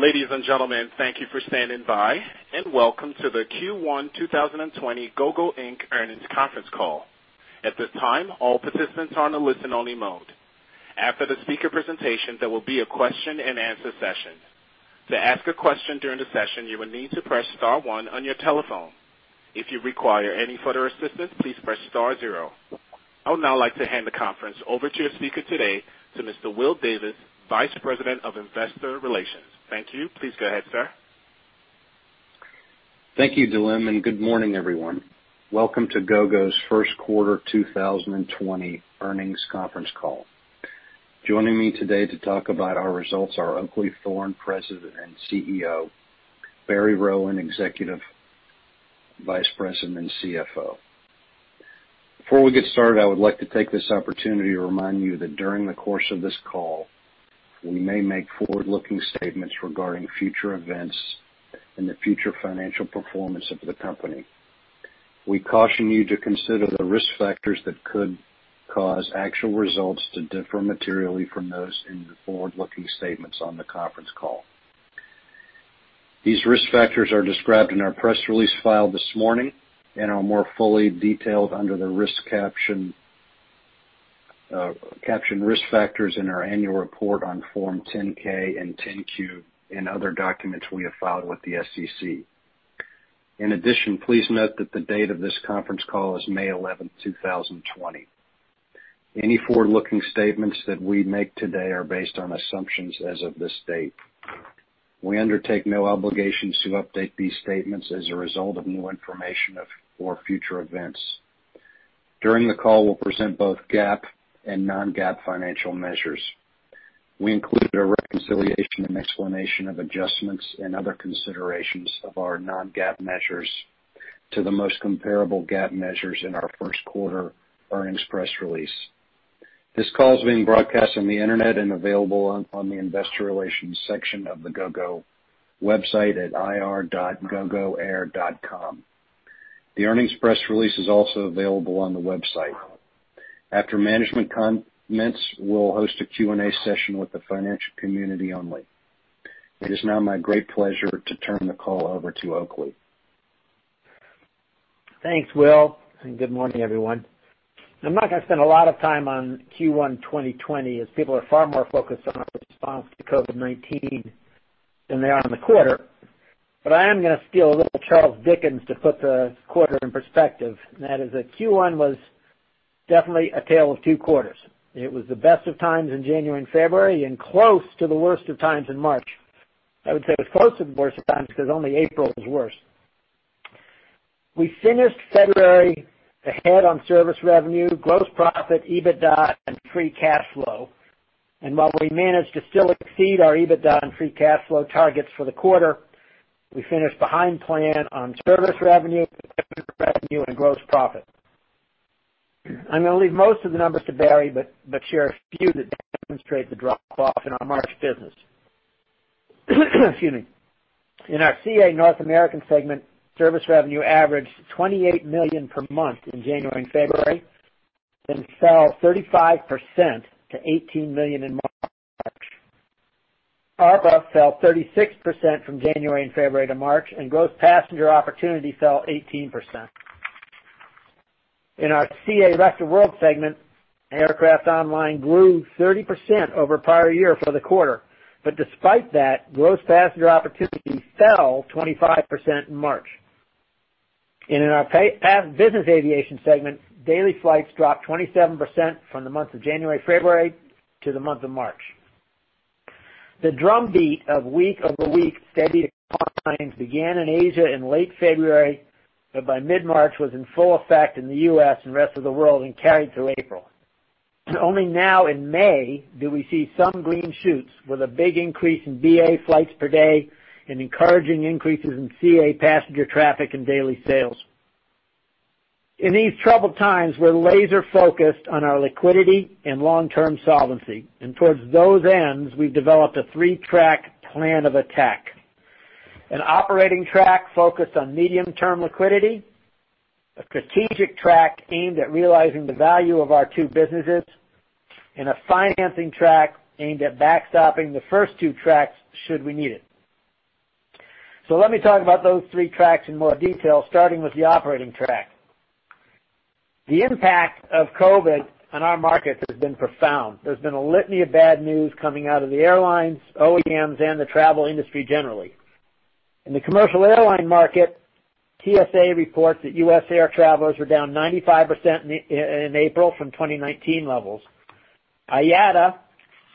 Ladies and gentlemen, thank you for standing by, and welcome to the Q1 2020 Gogo Inc. Earnings Conference Call. At this time, all participants are in a listen-only mode. After the speaker presentation, there will be a question and answer session. To ask a question during the session, you will need to press star one on your telephone. If you require any further assistance, please press star zero. I would now like to hand the conference over to your speaker today, to Mr. William Davis, Vice President of Investor Relations. Thank you. Please go ahead, sir. Thank you, Dylan. Good morning, everyone. Welcome to Gogo's first quarter 2020 earnings conference call. Joining me today to talk about our results are Oakleigh Thorne, President and Chief Executive Officer, Barry Rowan, Executive Vice President and Chief Financial Officer. Before we get started, I would like to take this opportunity to remind you that during the course of this call, we may make forward-looking statements regarding future events and the future financial performance of the company. We caution you to consider the risk factors that could cause actual results to differ materially from those in the forward-looking statements on the conference call. These risk factors are described in our press release filed this morning and are more fully detailed under the caption, Risk Factors in our annual report on Form 10-K and 10-Q and other documents we have filed with the SEC. In addition, please note that the date of this conference call is May 11, 2020. Any forward-looking statements that we make today are based on assumptions as of this date. We undertake no obligations to update these statements as a result of new information or future events. During the call, we'll present both GAAP and non-GAAP financial measures. We include a reconciliation and explanation of adjustments and other considerations of our non-GAAP measures to the most comparable GAAP measures in our first quarter earnings press release. This call is being broadcast on the internet and available on the investor relations section of the Gogo website at ir.gogoair.com. The earnings press release is also available on the website. After management comments, we'll host a Q&A session with the financial community only. It is now my great pleasure to turn the call over to Oakleigh. Thanks, Will. Good morning, everyone. I'm not going to spend a lot of time on Q1 2020, as people are far more focused on our response to COVID-19 than they are on the quarter. I am going to steal a little Charles Dickens to put the quarter in perspective, and that is that Q1 was definitely a tale of two quarters. It was the best of times in January and February, and close to the worst of times in March. I would say it was close to the worst of times because only April was worse. We finished February ahead on service revenue, gross profit, EBITDA, and free cash flow. While we managed to still exceed our EBITDA and free cash flow targets for the quarter, we finished behind plan on service revenue, and gross profit. I'm going to leave most of the numbers to Barry, but share a few that demonstrate the drop-off in our March business. In our CA North America segment, service revenue averaged $28 million per month in January and February, then fell 35% to $18 million in March. ARPA fell 36% from January and February to March, and gross passenger opportunity fell 18%. In our CA Rest of World segment, aircraft online grew 30% over prior year for the quarter. Despite that, gross passenger opportunity fell 25% in March. In our Business Aviation segment, daily flights dropped 27% from the month of January, February to the month of March. The drumbeat of week-over-week steady declines began in Asia in late February, but by mid-March, was in full effect in the U.S. and rest of the world and carried through April. Only now in May, do we see some green shoots with a big increase in BA flights per day and encouraging increases in CA passenger traffic and daily sales. In these troubled times, we're laser-focused on our liquidity and long-term solvency. Towards those ends, we've developed a three-track plan of attack. An operating track focused on medium-term liquidity, a strategic track aimed at realizing the value of our two businesses, and a financing track aimed at backstopping the first two tracks should we need it. Let me talk about those three tracks in more detail, starting with the operating track. The impact of COVID on our markets has been profound. There's been a litany of bad news coming out of the airlines, OEMs, and the travel industry generally. In the commercial airline market, TSA reports that U.S. air travelers were down 95% in April from 2019 levels. IATA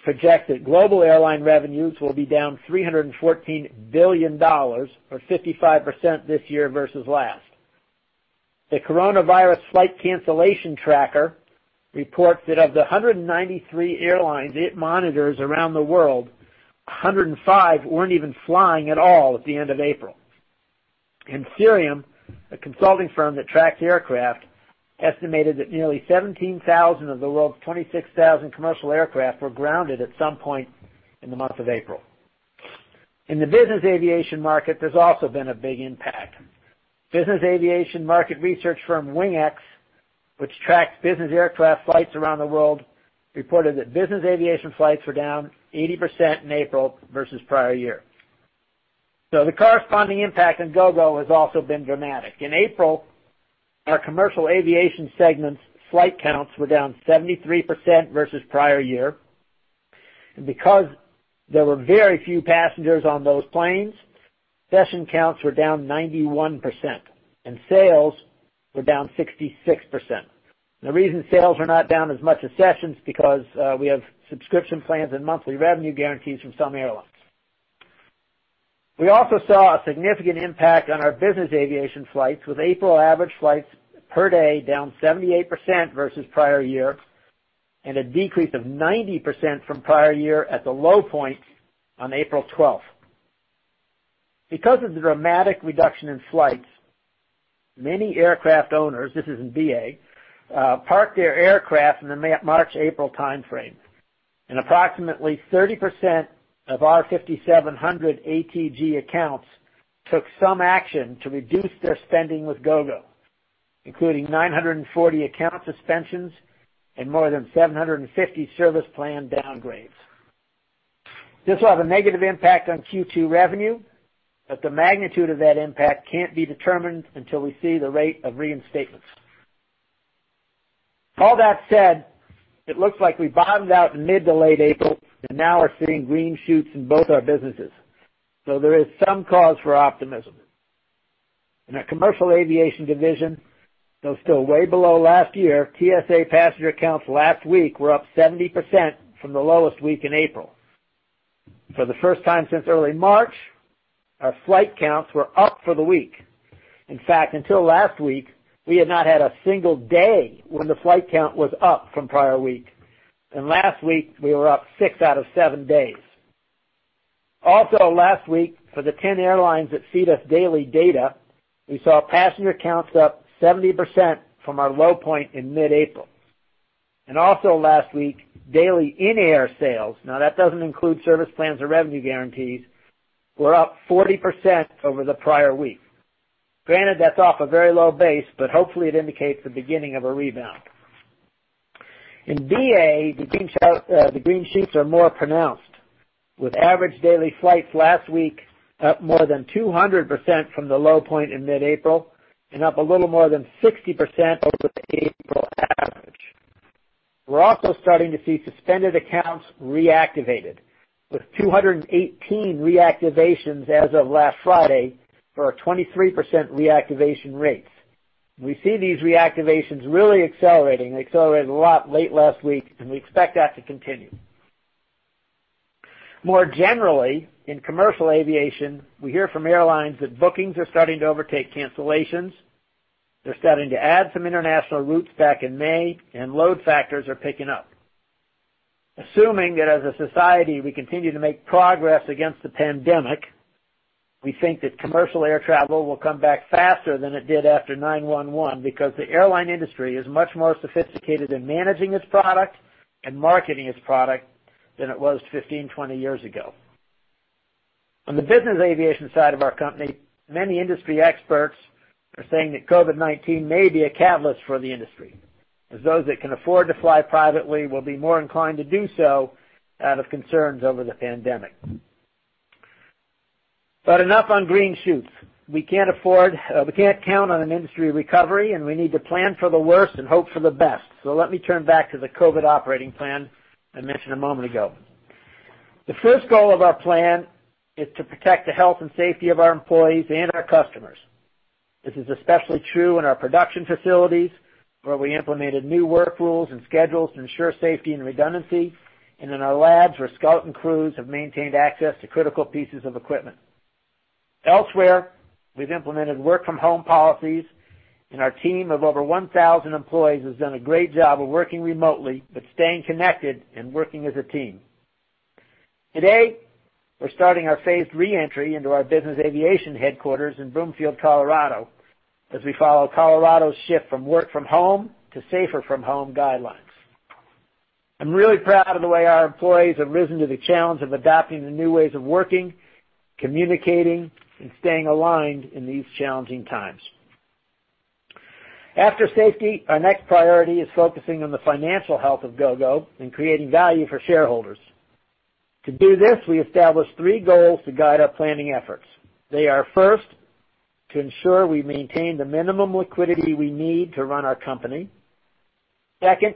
projects that global airline revenues will be down $314 billion or 55% this year versus last. The coronavirus flight cancellation tracker reports that of the 193 airlines it monitors around the world, 105 weren't even flying at all at the end of April. Cirium, a consulting firm that tracks aircraft, estimated that nearly 17,000 of the world's 26,000 commercial aircraft were grounded at some point in the month of April. In the business aviation market, there's also been a big impact. Business aviation market research firm WINGX, which tracks business aircraft flights around the world, reported that business aviation flights were down 80% in April versus prior year. The corresponding impact on Gogo has also been dramatic. In April, our Commercial Aviation segment's flight counts were down 73% versus prior year. Because there were very few passengers on those planes, session counts were down 91%, and sales were down 66%. The reason sales are not down as much as sessions is because we have subscription plans and monthly revenue guarantees from some airlines. We also saw a significant impact on our Business Aviation flights with April average flights per day down 78% versus prior year, and a decrease of 90% from prior year at the low point on April 12th. Because of the dramatic reduction in flights, many aircraft owners, this is in BA, parked their aircraft in the March-April timeframe, and approximately 30% of our 5,700 ATG accounts took some action to reduce their spending with Gogo, including 940 account suspensions and more than 750 service plan downgrades. This will have a negative impact on Q2 revenue, the magnitude of that impact can't be determined until we see the rate of reinstatements. All that said, it looks like we bottomed out in mid to late April and now are seeing green shoots in both our businesses. There is some cause for optimism. In our Commercial Aviation division, though still way below last year, TSA passenger counts last week were up 70% from the lowest week in April. For the first time since early March, our flight counts were up for the week. In fact, until last week, we had not had a single day when the flight count was up from the prior week. Last week we were up six out of seven days. Last week, for the 10 airlines that feed us daily data, we saw passenger counts up 70% from our low point in mid-April. Also last week, daily in-air sales, now that doesn't include service plans or revenue guarantees, were up 40% over the prior week. Granted, that's off a very low base, but hopefully it indicates the beginning of a rebound. In BA, the green shoots are more pronounced. With average daily flights last week up more than 200% from the low point in mid-April, and up a little more than 60% over the April average. We're also starting to see suspended accounts reactivated. With 218 reactivations as of last Friday for a 23% reactivation rate. We see these reactivations really accelerating. They accelerated a lot late last week, and we expect that to continue. More generally, in commercial aviation, we hear from airlines that bookings are starting to overtake cancellations. They're starting to add some international routes back in May, and load factors are picking up. Assuming that as a society, we continue to make progress against the pandemic, we think that commercial air travel will come back faster than it did after 9/11 because the airline industry is much more sophisticated in managing its product and marketing its product than it was 15, 20 years ago. On the business aviation side of our company, many industry experts are saying that COVID-19 may be a catalyst for the industry, as those that can afford to fly privately will be more inclined to do so out of concerns over the pandemic. Enough on green shoots. We can't count on an industry recovery, and we need to plan for the worst and hope for the best. Let me turn back to the COVID operating plan I mentioned a moment ago. The first goal of our plan is to protect the health and safety of our employees and our customers. This is especially true in our production facilities, where we implemented new work rules and schedules to ensure safety and redundancy, and in our labs, where skeleton crews have maintained access to critical pieces of equipment. Elsewhere, we've implemented work-from-home policies, and our team of over 1,000 employees has done a great job of working remotely, but staying connected and working as a team. Today, we're starting our phased re-entry into our business aviation headquarters in Broomfield, Colorado, as we follow Colorado's shift from work-from-home to safer-from-home guidelines. I'm really proud of the way our employees have risen to the challenge of adapting to new ways of working, communicating, and staying aligned in these challenging times. After safety, our next priority is focusing on the financial health of Gogo and creating value for shareholders. To do this, we established three goals to guide our planning efforts. They are, first, to ensure we maintain the minimum liquidity we need to run our company. Second,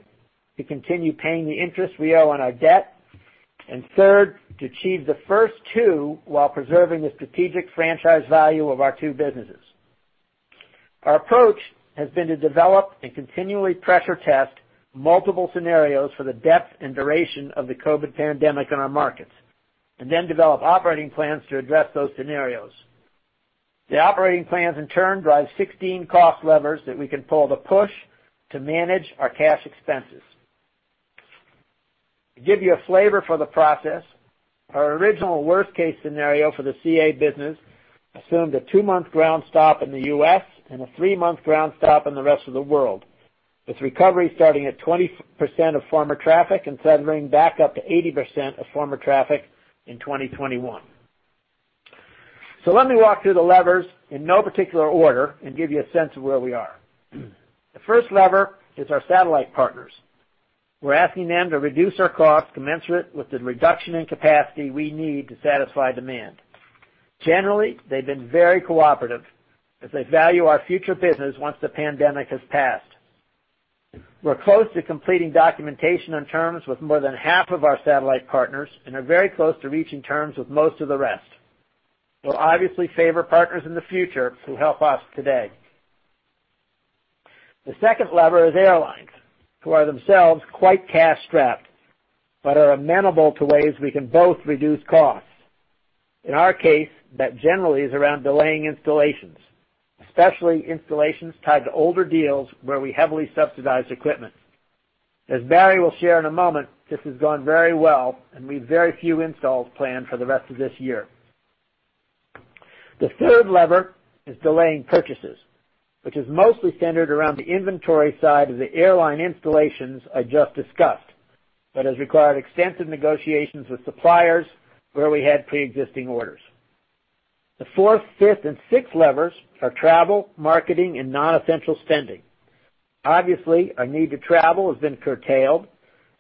to continue paying the interest we owe on our debt. Third, to achieve the first two while preserving the strategic franchise value of our two businesses. Our approach has been to develop and continually pressure test multiple scenarios for the depth and duration of the COVID pandemic in our markets, and then develop operating plans to address those scenarios. The operating plans in turn drive 16 cost levers that we can pull to push to manage our cash expenses. To give you a flavor for the process, our original worst-case scenario for the CA business assumed a two-month ground stop in the U.S. and a three-month ground stop in the rest of the world. With recovery starting at 20% of former traffic and centering back up to 80% of former traffic in 2021. Let me walk through the levers in no particular order and give you a sense of where we are. The first lever is our satellite partners. We're asking them to reduce our costs commensurate with the reduction in capacity we need to satisfy demand. Generally, they've been very cooperative as they value our future business once the pandemic has passed. We're close to completing documentation on terms with more than half of our satellite partners and are very close to reaching terms with most of the rest. We'll obviously favor partners in the future who help us today. The second lever is airlines, who are themselves quite cash-strapped, but are amenable to ways we can both reduce costs. In our case, that generally is around delaying installations, especially installations tied to older deals where we heavily subsidized equipment. As Barry will share in a moment, this has gone very well, and we've very few installs planned for the rest of this year. The third lever is delaying purchases, which is mostly centered around the inventory side of the airline installations I just discussed, but has required extensive negotiations with suppliers where we had preexisting orders. The fourth, fifth, and sixth levers are travel, marketing, and non-essential spending. Obviously, our need to travel has been curtailed,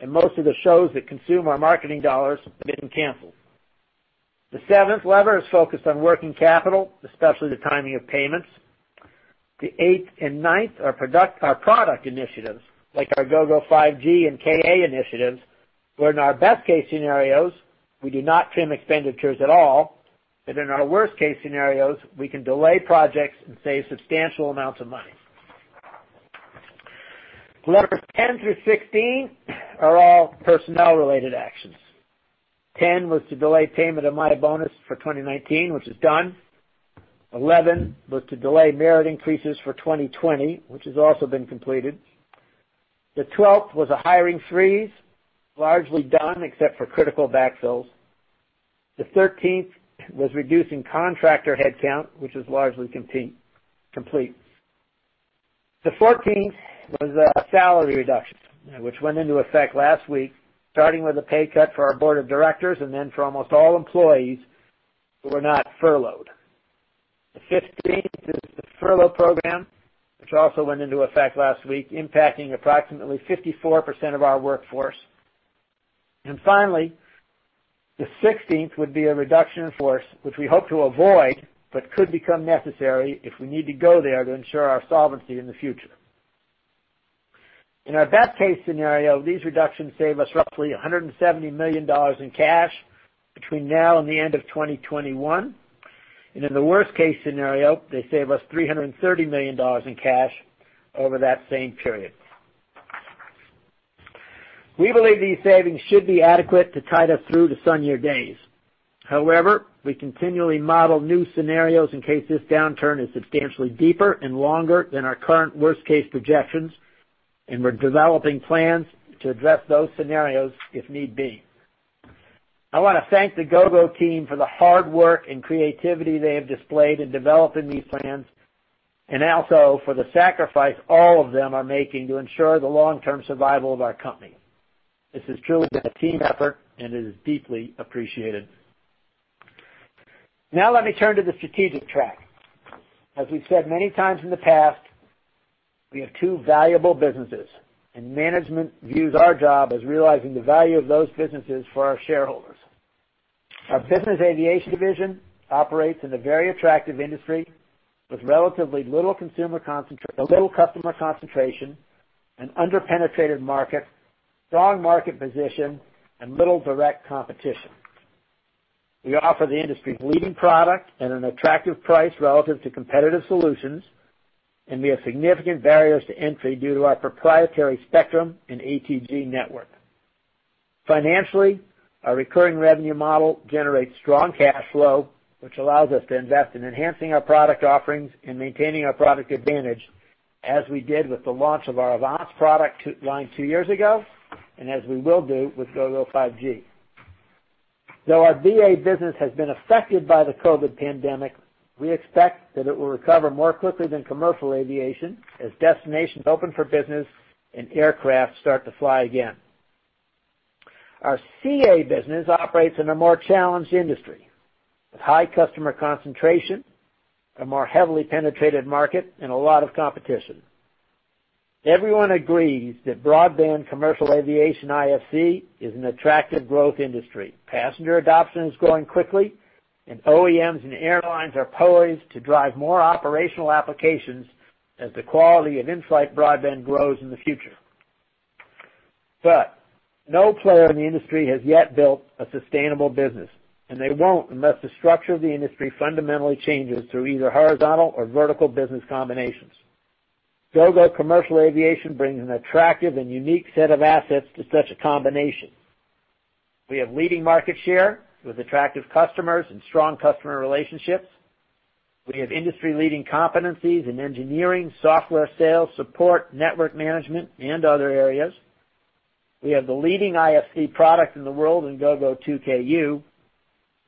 and most of the shows that consume our marketing dollars have been canceled. The seventh lever is focused on working capital, especially the timing of payments. The eighth and ninth are product initiatives like our Gogo 5G and Ka initiatives, where in our best case scenarios, we do not trim expenditures at all, but in our worst case scenarios, we can delay projects and save substantial amounts of money. Levers 10 through 16 are all personnel-related actions. 10 was to delay payment of my bonus for 2019, which is done. 11 was to delay merit increases for 2020, which has also been completed. The 12th was a hiring freeze, largely done except for critical backfills. The 13th was reducing contractor headcount, which is largely complete. The 14th was a salary reduction, which went into effect last week, starting with a pay cut for our board of directors and then for almost all employees who were not furloughed. The 15th is the furlough program, which also went into effect last week, impacting approximately 54% of our workforce. Finally, the 16th would be a reduction in force, which we hope to avoid, but could become necessary if we need to go there to ensure our solvency in the future. In our best case scenario, these reductions save us roughly $170 million in cash between now and the end of 2021. In the worst case scenario, they save us $330 million in cash over that same period. We believe these savings should be adequate to tide us through the sunnier days. However, we continually model new scenarios in case this downturn is substantially deeper and longer than our current worst case projections, and we're developing plans to address those scenarios if need be. I want to thank the Gogo team for the hard work and creativity they have displayed in developing these plans, and also for the sacrifice all of them are making to ensure the long-term survival of our company. This has truly been a team effort and it is deeply appreciated. Now let me turn to the strategic track. As we've said many times in the past, we have two valuable businesses, and management views our job as realizing the value of those businesses for our shareholders. Our Business Aviation division operates in a very attractive industry with relatively little customer concentration, an under-penetrated market, strong market position, and little direct competition. We offer the industry's leading product at an attractive price relative to competitive solutions. We have significant barriers to entry due to our proprietary spectrum and ATG network. Financially, our recurring revenue model generates strong cash flow, which allows us to invest in enhancing our product offerings and maintaining our product advantage as we did with the launch of our AVANCE product line two years ago, and as we will do with Gogo 5G. Though our BA business has been affected by the COVID pandemic, we expect that it will recover more quickly than commercial aviation as destinations open for business and aircraft start to fly again. Our CA business operates in a more challenged industry with high customer concentration, a more heavily penetrated market, and a lot of competition. Everyone agrees that broadband commercial aviation IFC is an attractive growth industry. Passenger adoption is growing quickly, and OEMs and airlines are poised to drive more operational applications as the quality of in-flight broadband grows in the future. No player in the industry has yet built a sustainable business, and they won't unless the structure of the industry fundamentally changes through either horizontal or vertical business combinations. Gogo Commercial Aviation brings an attractive and unique set of assets to such a combination. We have leading market share with attractive customers and strong customer relationships. We have industry-leading competencies in engineering, software, sales, support, network management, and other areas. We have the leading IFE product in the world in Gogo 2Ku,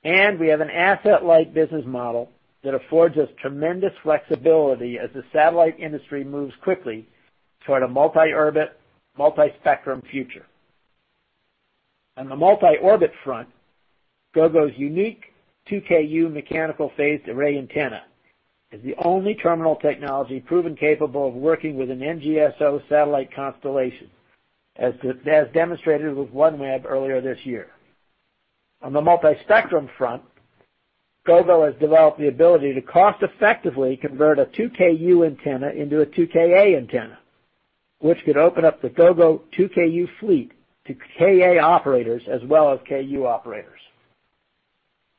and we have an asset-light business model that affords us tremendous flexibility as the satellite industry moves quickly toward a multi-orbit, multi-spectrum future. On the multi-orbit front, Gogo's unique 2Ku mechanical phased array antenna is the only terminal technology proven capable of working with an NGSO satellite constellation, as demonstrated with OneWeb earlier this year. On the multi-spectrum front, Gogo has developed the ability to cost-effectively convert a 2Ku antenna into a 2Ka antenna, which could open up the Gogo 2Ku fleet to Ka operators as well as Ku operators.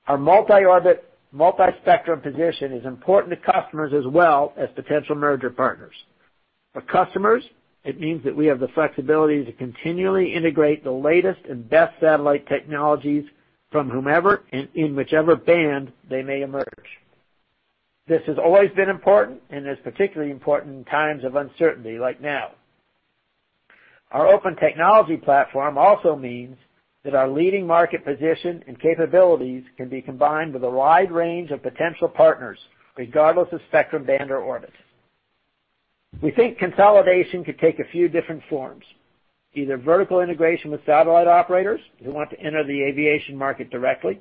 Our multi-orbit, multi-spectrum position is important to customers as well as potential merger partners. For customers, it means that we have the flexibility to continually integrate the latest and best satellite technologies from whomever and in whichever band they may emerge. This has always been important and is particularly important in times of uncertainty, like now. Our open technology platform also means that our leading market position and capabilities can be combined with a wide range of potential partners, regardless of spectrum band or orbit. We think consolidation could take a few different forms, either vertical integration with satellite operators who want to enter the aviation market directly,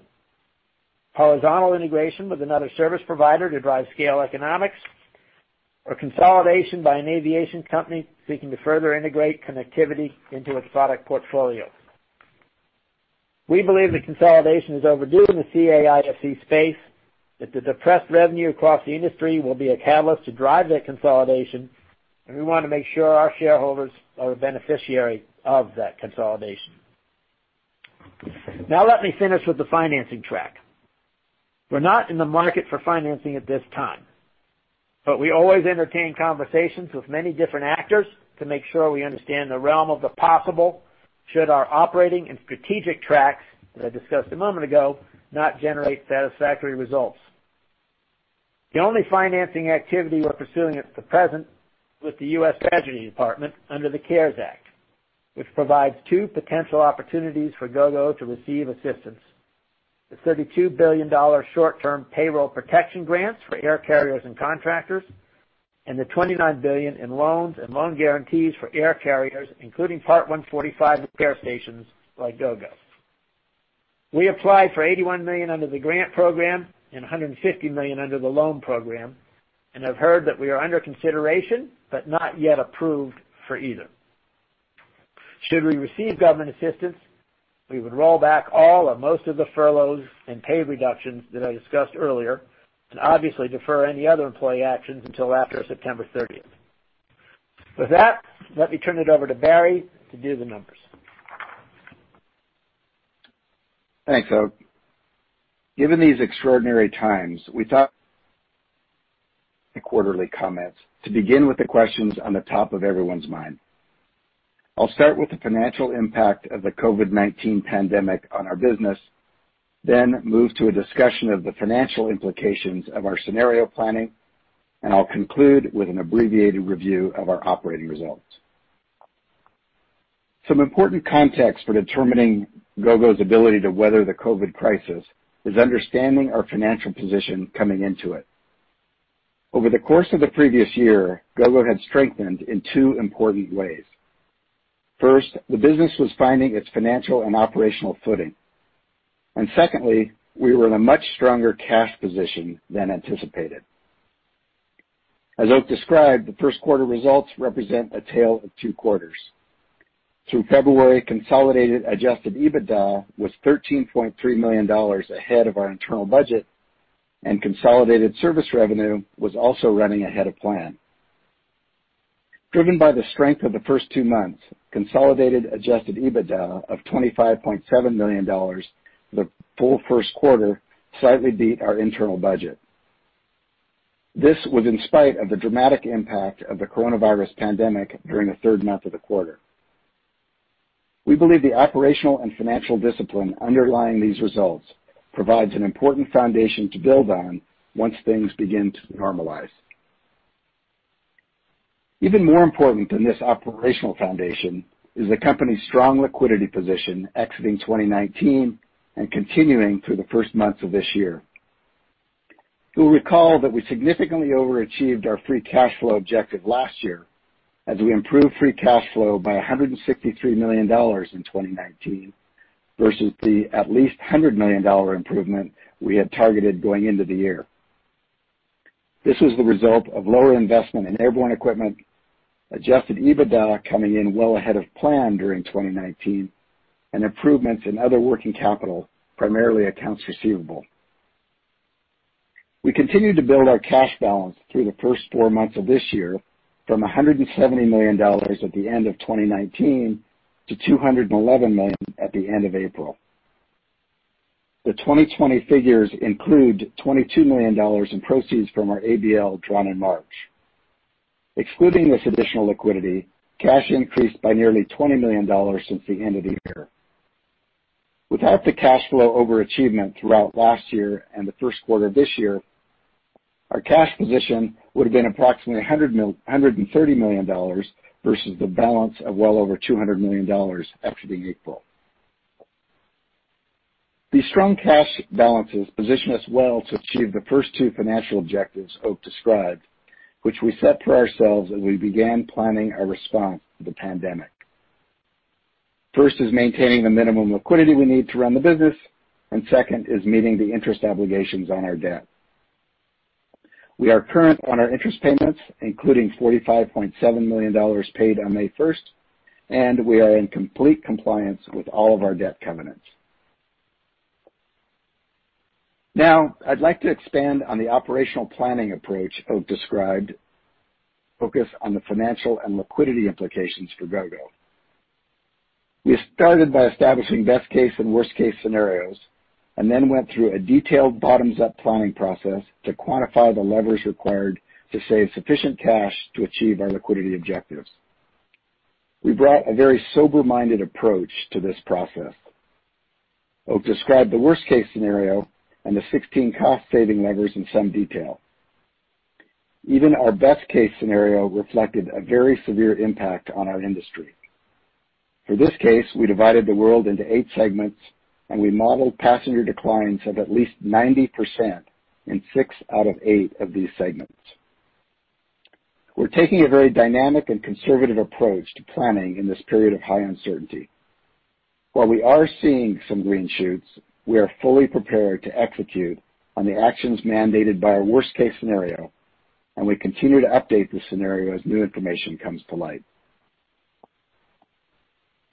horizontal integration with another service provider to drive scale economics, or consolidation by an aviation company seeking to further integrate connectivity into its product portfolio. We believe that consolidation is overdue in the Commercial Aviation IFC space, that the depressed revenue across the industry will be a catalyst to drive that consolidation, and we want to make sure our shareholders are the beneficiary of that consolidation. Now let me finish with the financing track. We're not in the market for financing at this time. We always entertain conversations with many different actors to make sure we understand the realm of the possible should our operating and strategic tracks that I discussed a moment ago not generate satisfactory results. The only financing activity we're pursuing at the present is with the U.S. Department of the Treasury under the CARES Act, which provides two potential opportunities for Gogo to receive assistance. The $32 billion short-term payroll protection grants for air carriers and contractors, and the $29 billion in loans and loan guarantees for air carriers, including Part 145 repair stations like Gogo. We applied for $81 million under the grant program and $150 million under the loan program, and have heard that we are under consideration, but not yet approved for either. Should we receive government assistance, we would roll back all or most of the furloughs and pay reductions that I discussed earlier, obviously defer any other employee actions until after September 30th. With that, let me turn it over to Barry to do the numbers. Thanks, Oak. Given these extraordinary times, we thought the quarterly comments to begin with the questions on the top of everyone's mind. I'll start with the financial impact of the COVID-19 pandemic on our business, then move to a discussion of the financial implications of our scenario planning, and I'll conclude with an abbreviated review of our operating results. Some important context for determining Gogo's ability to weather the COVID crisis is understanding our financial position coming into it. Over the course of the previous year, Gogo had strengthened in two important ways. First, the business was finding its financial and operational footing. Secondly, we were in a much stronger cash position than anticipated. As Oak described, the first quarter results represent a tale of two quarters. Through February, consolidated adjusted EBITDA was $13.3 million ahead of our internal budget. Consolidated service revenue was also running ahead of plan. Driven by the strength of the first two months, consolidated adjusted EBITDA of $25.7 million for the full first quarter slightly beat our internal budget. This was in spite of the dramatic impact of the coronavirus pandemic during the third month of the quarter. We believe the operational and financial discipline underlying these results provides an important foundation to build on once things begin to normalize. Even more important than this operational foundation is the company's strong liquidity position exiting 2019 and continuing through the first months of this year. You'll recall that we significantly overachieved our free cash flow objective last year as we improved free cash flow by $163 million in 2019, versus the at least $100 million improvement we had targeted going into the year. This was the result of lower investment in airborne equipment, adjusted EBITDA coming in well ahead of plan during 2019, and improvements in other working capital, primarily accounts receivable. We continued to build our cash balance through the first four months of this year from $170 million at the end of 2019 to $211 million at the end of April. The 2020 figures include $22 million in proceeds from our ABL drawn in March. Excluding this additional liquidity, cash increased by nearly $20 million since the end of the year. Without the cash flow overachievement throughout last year and the first quarter of this year, our cash position would have been approximately $130 million versus the balance of well over $200 million after the April. These strong cash balances position us well to achieve the first two financial objectives Oak described, which we set for ourselves as we began planning our response to the pandemic. First is maintaining the minimum liquidity we need to run the business, and second is meeting the interest obligations on our debt. We are current on our interest payments, including $45.7 million paid on May 1st, and we are in complete compliance with all of our debt covenants. Now, I'd like to expand on the operational planning approach Oak described, focused on the financial and liquidity implications for Gogo. We started by establishing best case and worst case scenarios and then went through a detailed bottoms-up planning process to quantify the levers required to save sufficient cash to achieve our liquidity objectives. We brought a very sober-minded approach to this process. Oak described the worst case scenario and the 16 cost-saving levers in some detail. Even our best case scenario reflected a very severe impact on our industry. For this case, we divided the world into eight segments, and we modeled passenger declines of at least 90% in six out of eight of these segments. We're taking a very dynamic and conservative approach to planning in this period of high uncertainty. While we are seeing some green shoots, we are fully prepared to execute on the actions mandated by our worst case scenario, and we continue to update the scenario as new information comes to light.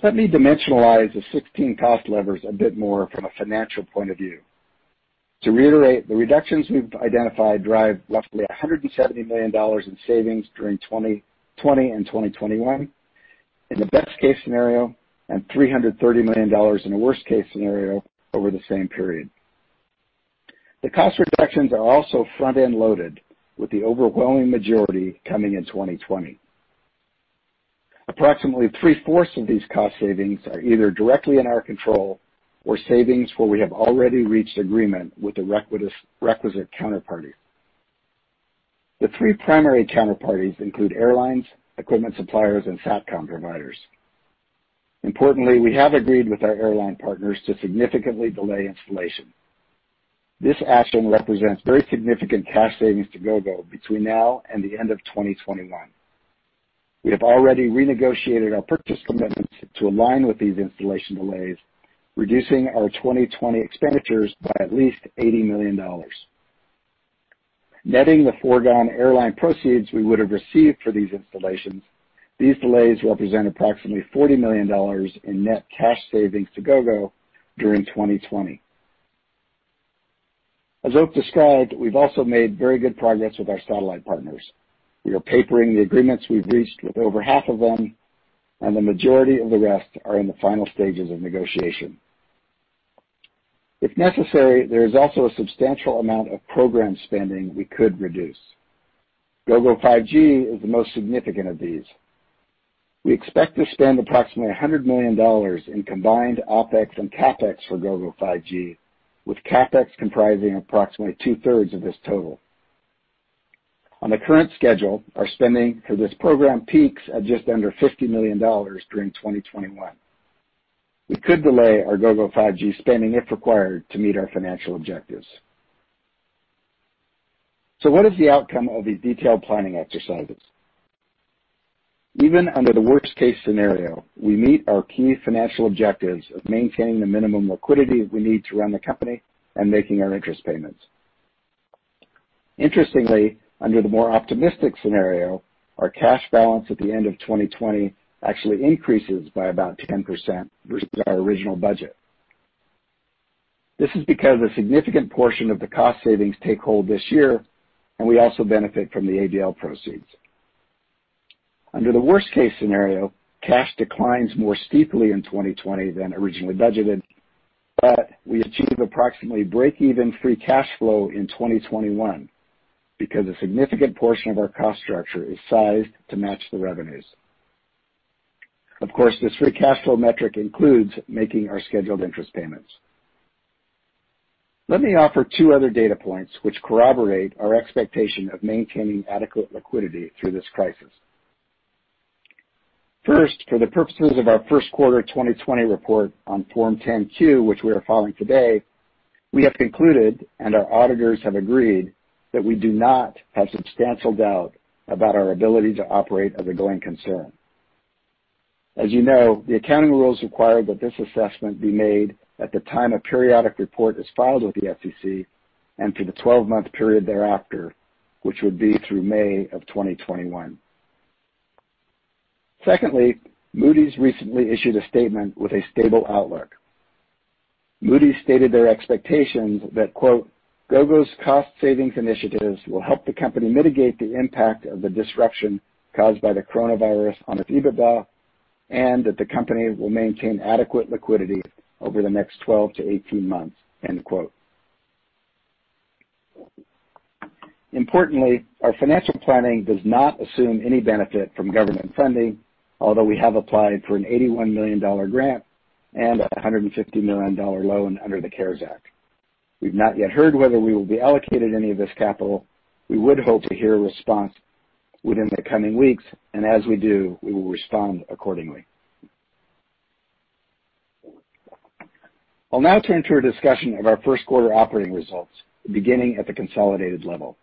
Let me dimensionalize the 16 cost levers a bit more from a financial point of view. To reiterate, the reductions we've identified drive roughly $170 million in savings during 2020 and 2021 in the best case scenario and $330 million in a worst-case scenario over the same period. The cost reductions are also front-end loaded, with the overwhelming majority coming in 2020. Approximately three-fourths of these cost savings are either directly in our control or savings where we have already reached agreement with the requisite counterparty. The three primary counterparties include airlines, equipment suppliers, and SATCOM providers. Importantly, we have agreed with our airline partners to significantly delay installation. This action represents very significant cash savings to Gogo between now and the end of 2021. We have already renegotiated our purchase commitments to align with these installation delays, reducing our 2020 expenditures by at least $80 million. Netting the foregone airline proceeds we would have received for these installations, these delays represent approximately $40 million in net cash savings to Gogo during 2020. As Oak described, we've also made very good progress with our satellite partners. We are papering the agreements we've reached with over half of them, and the majority of the rest are in the final stages of negotiation. If necessary, there is also a substantial amount of program spending we could reduce. Gogo 5G is the most significant of these. We expect to spend approximately $100 million in combined OpEx and CapEx for Gogo 5G, with CapEx comprising approximately two-thirds of this total. On the current schedule, our spending for this program peaks at just under $50 million during 2021. We could delay our Gogo 5G spending if required to meet our financial objectives. What is the outcome of these detailed planning exercises? Even under the worst-case scenario, we meet our key financial objectives of maintaining the minimum liquidity we need to run the company and making our interest payments. Interestingly, under the more optimistic scenario, our cash balance at the end of 2020 actually increases by about 10% versus our original budget. This is because a significant portion of the cost savings take hold this year, and we also benefit from the ABL proceeds. Under the worst-case scenario, cash declines more steeply in 2020 than originally budgeted, but we achieve approximately break-even free cash flow in 2021 because a significant portion of our cost structure is sized to match the revenues. Of course, this free cash flow metric includes making our scheduled interest payments. Let me offer two other data points which corroborate our expectation of maintaining adequate liquidity through this crisis. First, for the purposes of our first quarter 2020 report on Form 10-Q, which we are following today, we have concluded, and our auditors have agreed, that we do not have substantial doubt about our ability to operate as a going concern. As you know, the accounting rules require that this assessment be made at the time a periodic report is filed with the SEC and for the 12-month period thereafter, which would be through May of 2021. Secondly, Moody's recently issued a statement with a stable outlook. Moody's stated their expectations that, quote, "Gogo's cost savings initiatives will help the company mitigate the impact of the disruption caused by the coronavirus on its EBITDA and that the company will maintain adequate liquidity over the next 12-18 months." End quote. Importantly, our financial planning does not assume any benefit from government funding, although we have applied for an $81 million grant and a $150 million loan under the CARES Act. We've not yet heard whether we will be allocated any of this capital. We would hope to hear a response within the coming weeks, and as we do, we will respond accordingly. I'll now turn to a discussion of our first quarter operating results, beginning at the consolidated level.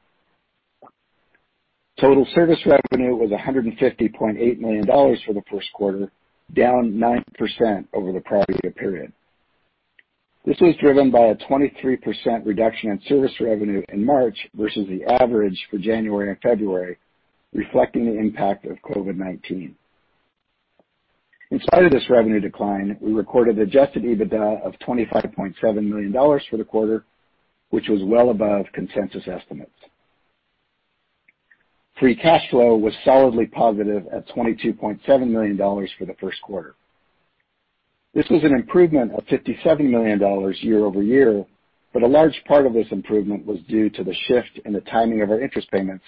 Total service revenue was $150.8 million for the first quarter, down 9% over the prior year period. This was driven by a 23% reduction in service revenue in March versus the average for January and February, reflecting the impact of COVID-19. In spite of this revenue decline, we recorded adjusted EBITDA of $25.7 million for the quarter, which was well above consensus estimates. Free cash flow was solidly positive at $22.7 million for the first quarter. This was an improvement of $57 million year-over-year, but a large part of this improvement was due to the shift in the timing of our interest payments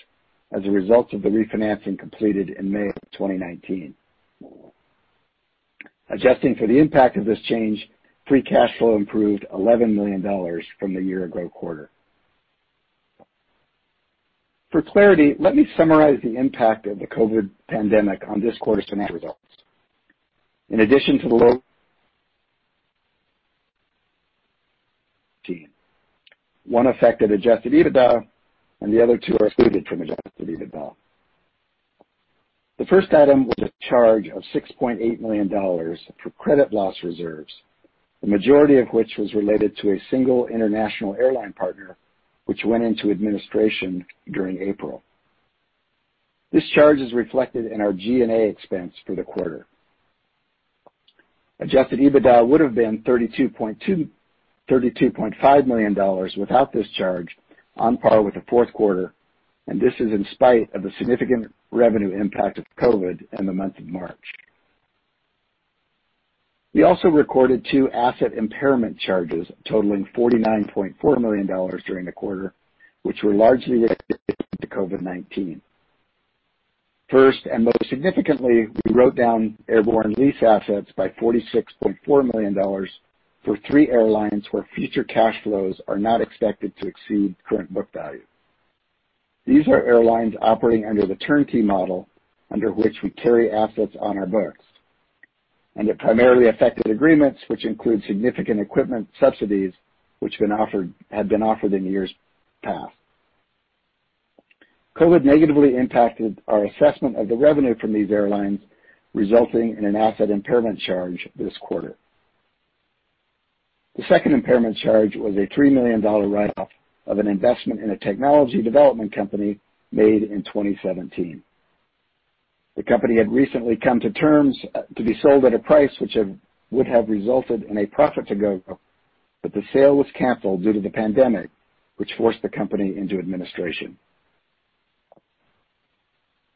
as a result of the refinancing completed in May of 2019. Adjusting for the impact of this change, free cash flow improved $11 million from the year-ago quarter. For clarity, let me summarize the impact of the COVID pandemic on this quarter's financial results. In addition to the low [audio disturtion] One affected adjusted EBITDA and the other two are excluded from adjusted EBITDA. The first item was a charge of $6.8 million for credit loss reserves, the majority of which was related to a single international airline partner, which went into administration during April. This charge is reflected in our G&A expense for the quarter. Adjusted EBITDA would've been $32.5 million without this charge, on par with the fourth quarter, and this is in spite of the significant revenue impact of COVID in the month of March. We also recorded two asset impairment charges totaling $49.4 million during the quarter, which were largely related to COVID-19. First, and most significantly, we wrote down airborne lease assets by $46.4 million for three airlines where future cash flows are not expected to exceed current book value. These are airlines operating under the turnkey model, under which we carry assets on our books. It primarily affected agreements which include significant equipment subsidies which had been offered in years past. COVID negatively impacted our assessment of the revenue from these airlines, resulting in an asset impairment charge this quarter. The second impairment charge was a $3 million write-off of an investment in a technology development company made in 2017. The company had recently come to terms to be sold at a price which would have resulted in a profit to Gogo. The sale was canceled due to the pandemic, which forced the company into administration.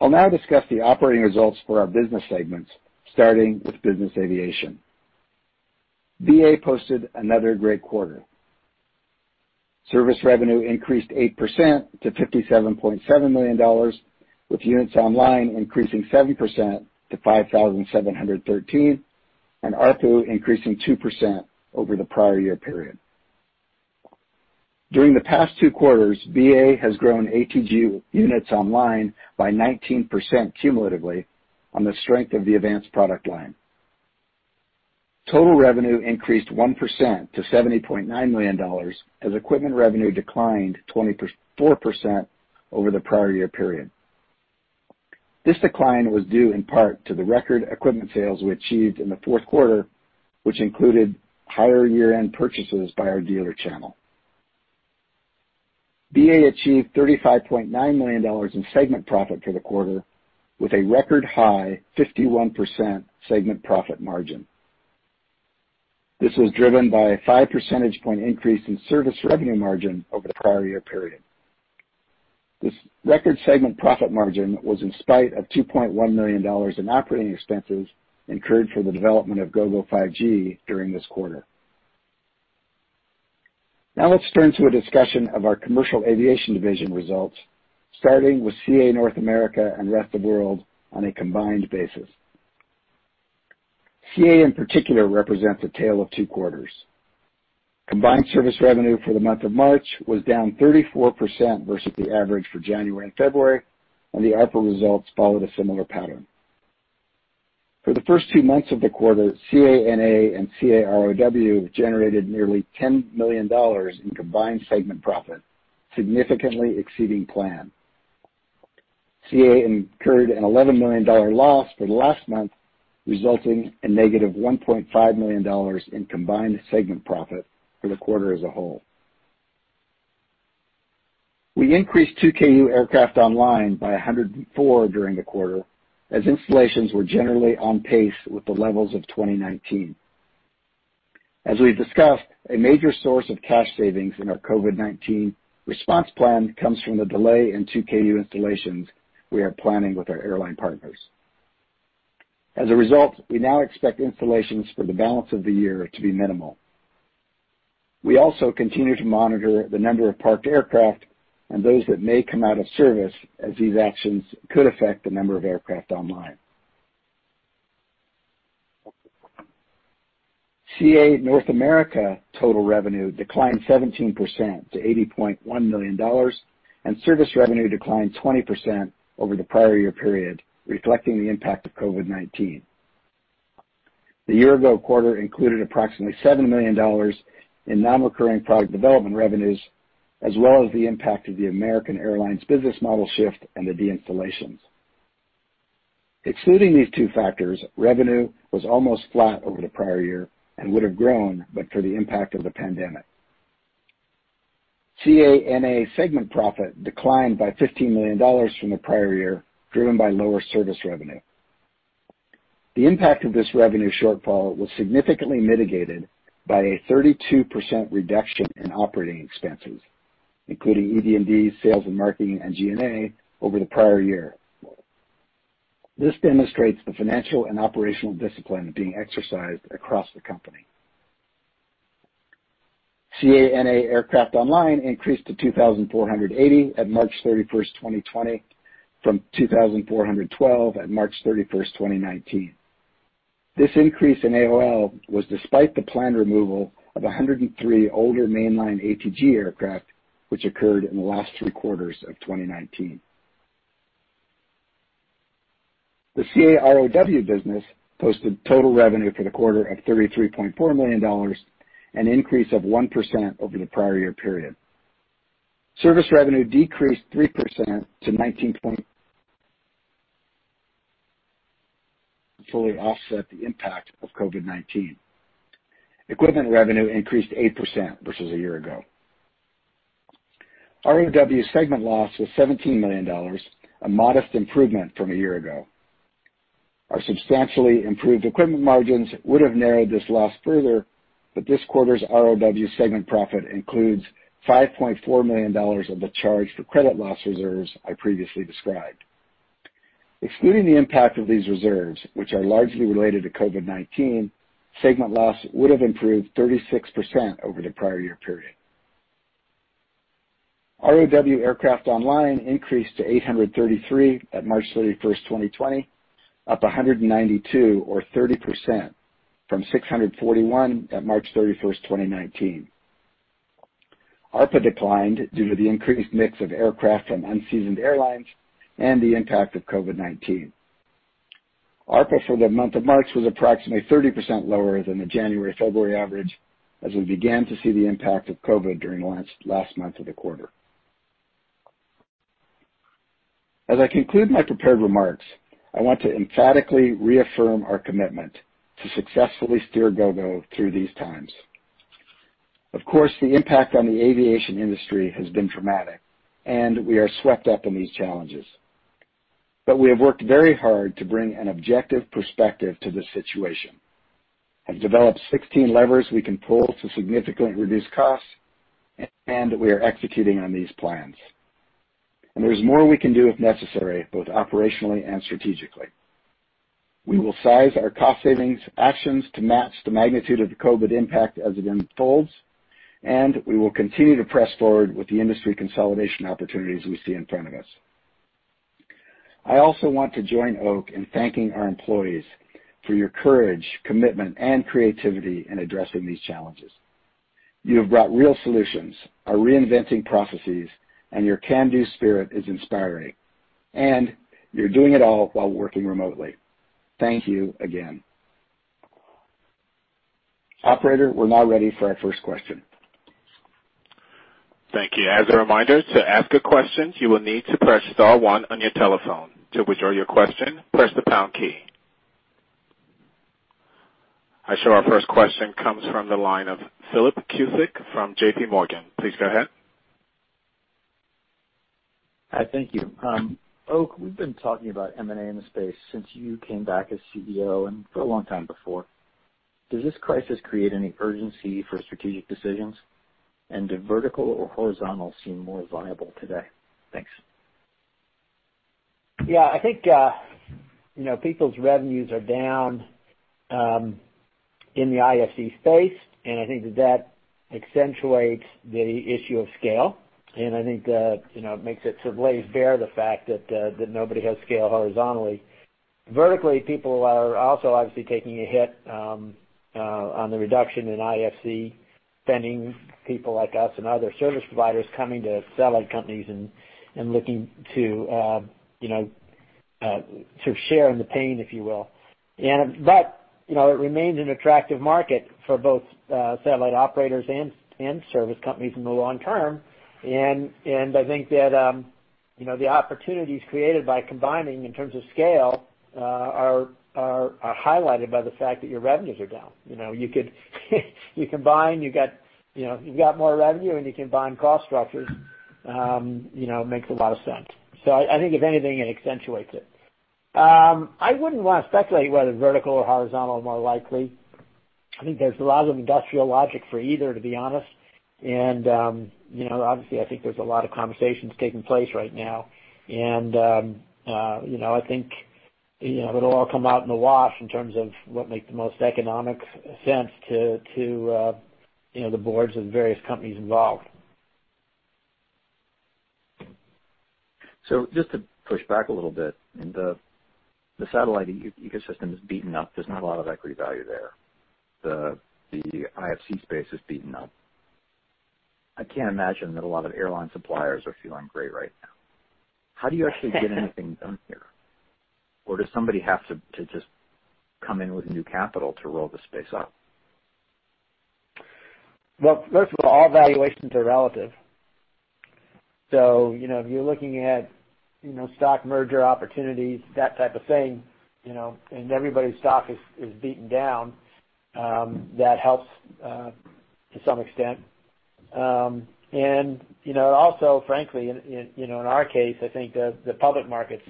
I'll now discuss the operating results for our business segments, starting with Business Aviation. BA posted another great quarter. Service revenue increased 8% to $57.7 million, with units online increasing 7% to 5,713, and ARPU increasing 2% over the prior year period. During the past two quarters, BA has grown ATG units online by 19% cumulatively on the strength of the AVANCE product line. Total revenue increased 1% to $70.9 million as equipment revenue declined 24% over the prior year period. This decline was due in part to the record equipment sales we achieved in the fourth quarter, which included higher year-end purchases by our dealer channel. BA achieved $35.9 million in segment profit for the quarter, with a record high 51% segment profit margin. This was driven by a five percentage point increase in service revenue margin over the prior year period. This record segment profit margin was in spite of $2.1 million in operating expenses incurred for the development of Gogo 5G during this quarter. Let's turn to a discussion of our commercial aviation division results, starting with CA North America and Rest of World on a combined basis. CA in particular represents a tale of two quarters. Combined service revenue for the month of March was down 34% versus the average for January and February, and the ARPU results followed a similar pattern. For the first two months of the quarter, CA NA and CA ROW have generated nearly $10 million in combined segment profit, significantly exceeding plan. CA incurred an $11 million loss for the last month, resulting in negative $1.5 million in combined segment profit for the quarter as a whole. We increased 2Ku aircraft online by 104 during the quarter, as installations were generally on pace with the levels of 2019. As we've discussed, a major source of cash savings in our COVID-19 response plan comes from the delay in 2Ku installations we are planning with our airline partners. As a result, we now expect installations for the balance of the year to be minimal. We also continue to monitor the number of parked aircraft and those that may come out of service, as these actions could affect the number of aircraft online. CA North America total revenue declined 17% to $80.1 million, and service revenue declined 20% over the prior year period, reflecting the impact of COVID-19. The year ago quarter included approximately $7 million in non-recurring product development revenues, as well as the impact of the American Airlines business model shift and the deinstallations. Excluding these two factors, revenue was almost flat over the prior year and would have grown but for the impact of the pandemic. CA NA segment profit declined by $15 million from the prior year, driven by lower service revenue. The impact of this revenue shortfall was significantly mitigated by a 32% reduction in operating expenses, including R&D, sales and marketing, and G&A over the prior year. This demonstrates the financial and operational discipline being exercised across the company. CA NA aircraft online increased to 2,480 at March 31st, 2020, from 2,412 at March 31st, 2019. This increase in AOL was despite the planned removal of 103 older mainline ATG aircraft, which occurred in the last three quarters of 2019. The CA ROW business posted total revenue for the quarter of $33.4 million, an increase of 1% over the prior year period. Service revenue decreased 3% to $19 to fully offset the impact of COVID-19. Equipment revenue increased 8% versus a year ago. ROW segment loss was $17 million, a modest improvement from a year ago. Our substantially improved equipment margins would have narrowed this loss further, but this quarter's ROW segment profit includes $5.4 million of the charge for credit loss reserves I previously described. Excluding the impact of these reserves, which are largely related to COVID-19, segment loss would have improved 36% over the prior year period. ROW aircraft online increased to 833 at March 31st, 2020, up 192 or 30% from 641 at March 31st, 2019. ARPA declined due to the increased mix of aircraft from unseasoned airlines and the impact of COVID-19. ARPA for the month of March was approximately 30% lower than the January-February average, as we began to see the impact of COVID during the last month of the quarter. As I conclude my prepared remarks, I want to emphatically reaffirm our commitment to successfully steer Gogo through these times. Of course, the impact on the aviation industry has been dramatic, and we are swept up in these challenges. We have worked very hard to bring an objective perspective to this situation. We have developed 16 levers we can pull to significantly reduce costs, and we are executing on these plans. There's more we can do if necessary, both operationally and strategically. We will size our cost savings actions to match the magnitude of the COVID impact as it unfolds, and we will continue to press forward with the industry consolidation opportunities we see in front of us. I also want to join Oak in thanking our employees for your courage, commitment, and creativity in addressing these challenges. You have brought real solutions, are reinventing processes, and your can-do spirit is inspiring, and you're doing it all while working remotely. Thank you again. Operator, we are now ready for our first question. Thank you. As a reminder, to ask a question, you will need to press star one on your telephone. To withdraw your question, press the pound key. I show our first question comes from the line of Philip Cusick from JPMorgan. Please go ahead. Hi, thank you. Oak, we've been talking about M&A in the space since you came back as CEO and for a long time before. Does this crisis create any urgency for strategic decisions? Do vertical or horizontal seem more viable today? Thanks. I think people's revenues are down in the IFC space. I think that accentuates the issue of scale. I think that it makes it sort of lays bare the fact that nobody has scale horizontally. Vertically, people are also obviously taking a hit on the reduction in IFC spending, people like us and other service providers coming to satellite companies and looking to share in the pain, if you will. It remains an attractive market for both satellite operators and service companies in the long term. I think that the opportunities created by combining in terms of scale are highlighted by the fact that your revenues are down. You combine, you've got more revenue. You combine cost structures, it makes a lot of sense. I think if anything, it accentuates it. I wouldn't want to speculate whether vertical or horizontal are more likely. I think there's a lot of industrial logic for either, to be honest. Obviously, I think there's a lot of conversations taking place right now. I think it'll all come out in the wash in terms of what makes the most economic sense to the boards of various companies involved. Just to push back a little bit, the satellite ecosystem is beaten up. There's not a lot of equity value there. The IFC space is beaten up. I can't imagine that a lot of airline suppliers are feeling great right now. How do you actually get anything done here? Does somebody have to just come in with new capital to roll the space up? Well, first of all valuations are relative. If you're looking at stock merger opportunities, that type of thing, and everybody's stock is beaten down, that helps to some extent. Also, frankly, in our case, I think the public markets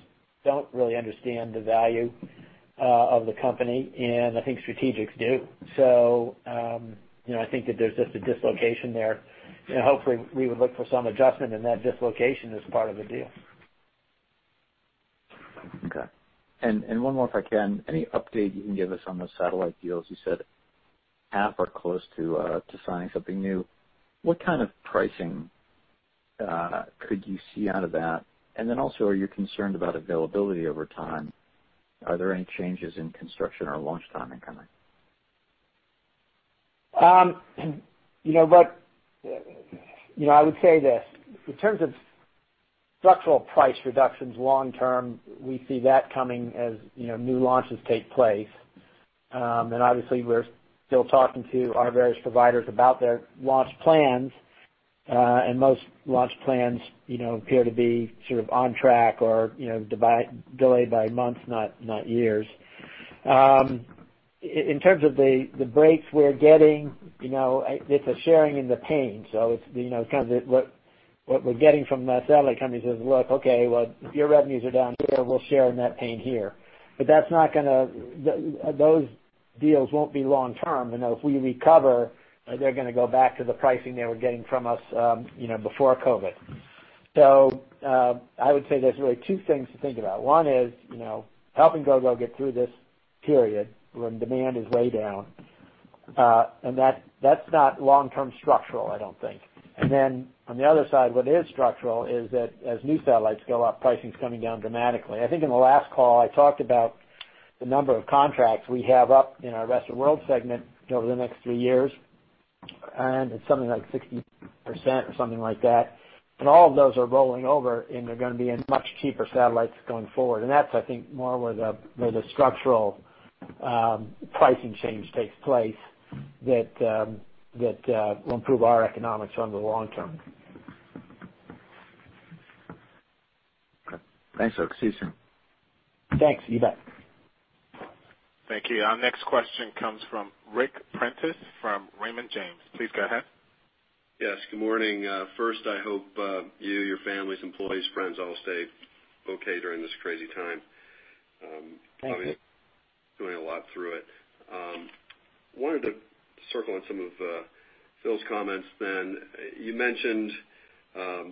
don't really understand the value of the company, and I think strategics do. I think that there's just a dislocation there. Hopefully, we would look for some adjustment in that dislocation as part of the deal. Okay. One more, if I can. Any update you can give us on the satellite deals? You said half are close to signing something new. What kind of pricing could you see out of that? Are you concerned about availability over time? Are there any changes in construction or launch timing coming? I would say this, in terms of structural price reductions long term, we see that coming as new launches take place. Obviously, we're still talking to our various providers about their launch plans. Most launch plans appear to be sort of on track or delayed by months, not years. In terms of the breaks we're getting, it's a sharing in the pain. It's kind of what we're getting from the satellite companies is, "Look, okay, well, if your revenues are down here, we'll share in that pain here." Those deals won't be long-term, and if we recover, they're going to go back to the pricing they were getting from us before COVID. I would say there's really two things to think about. One is, helping Gogo get through this period when demand is way down, and that's not long-term structural, I don't think. On the other side, what is structural is that as new satellites go up, pricing's coming down dramatically. I think in the last call, I talked about the number of contracts we have up in our Commercial Aviation Rest of World segment over the next three years, and it's something like 60% or something like that. All of those are rolling over, and they're going to be in much cheaper satellites going forward. That's, I think, more where the structural pricing change takes place that will improve our economics over the long term. Okay. Thanks, folk. See you soon. Thanks. You bet. Thank you. Our next question comes from Ric Prentiss from Raymond James. Please go ahead. Yes, good morning. First, I hope you, your families, employees, friends all stay okay during this crazy time. Thank you. Obviously, going a lot through it. Wanted to circle on some of Phil's comments then. You mentioned the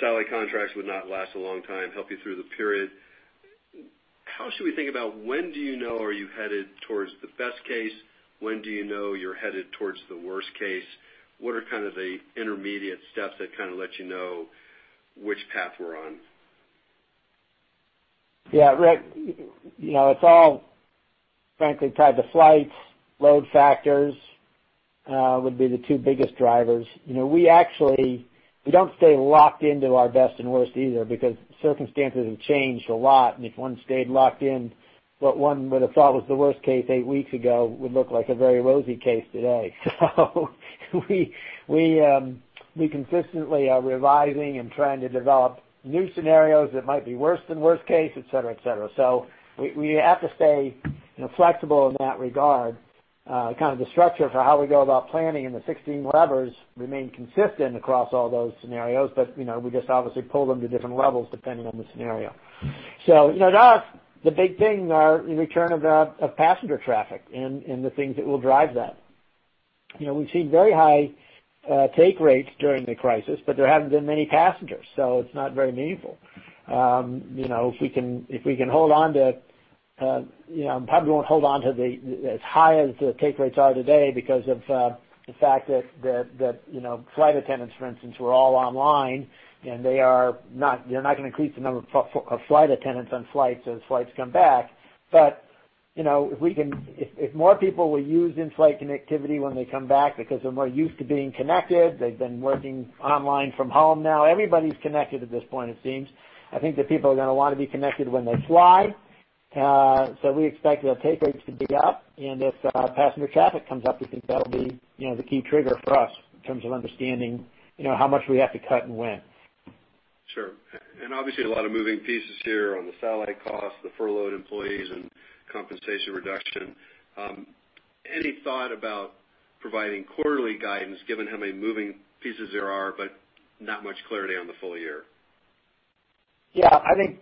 satellite contracts would not last a long time, help you through the period. How should we think about when do you know are you headed towards the best case? When do you know you're headed towards the worst case? What are kind of the intermediate steps that kind of let you know which path we're on? Yeah, Ric, it's all frankly tied to flights, load factors, would be the two biggest drivers. We don't stay locked into our best and worst either because circumstances have changed a lot, and if one stayed locked in, what one would have thought was the worst case eight weeks ago would look like a very rosy case today. We consistently are revising and trying to develop new scenarios that might be worse than worst case, et cetera. We have to stay flexible in that regard. Kind of the structure for how we go about planning and the 16 levers remain consistent across all those scenarios, we just obviously pull them to different levels depending on the scenario. To us, the big thing are the return of passenger traffic and the things that will drive that. We've seen very high take rates during the crisis, but there haven't been many passengers, so it's not very meaningful. Probably won't hold on to as high as the take rates are today because of the fact that flight attendants, for instance, were all online, and they're not going to increase the number of flight attendants on flights as flights come back. If more people will use in-flight connectivity when they come back because they're more used to being connected, they've been working online from home now. Everybody's connected at this point, it seems. I think that people are going to want to be connected when they fly. We expect the take rates to be up, and if passenger traffic comes up, we think that'll be the key trigger for us in terms of understanding how much we have to cut and when. Sure. Obviously, a lot of moving pieces here on the satellite costs, the furloughed employees, and compensation reduction. Any thought about providing quarterly guidance, given how many moving pieces there are, but not much clarity on the full year? Yeah, I think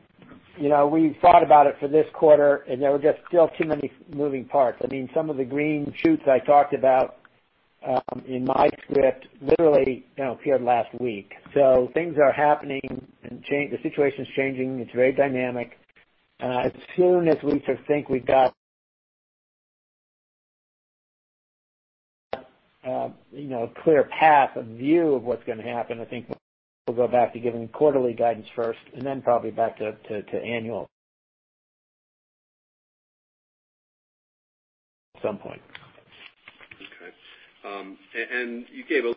we've thought about it for this quarter, and there were just still too many moving parts. Some of the green shoots I talked about, in my script literally appeared last week. Things are happening and the situation's changing. It's very dynamic. As soon as we sort of think we've got a clear path, a view of what's going to happen, I think we'll go back to giving quarterly guidance first and then probably back to annual at some point. Okay. You gave a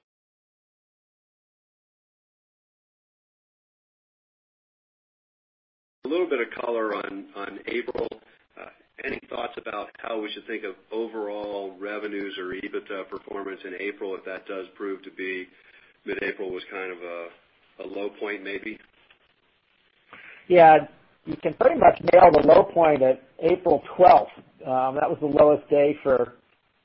little bit of color on April. Any thoughts about how we should think of overall revenues or EBITDA performance in April, if that does prove to be mid-April was kind of a low point, maybe? Yeah. You can pretty much nail the low point at April 12th. That was the lowest day for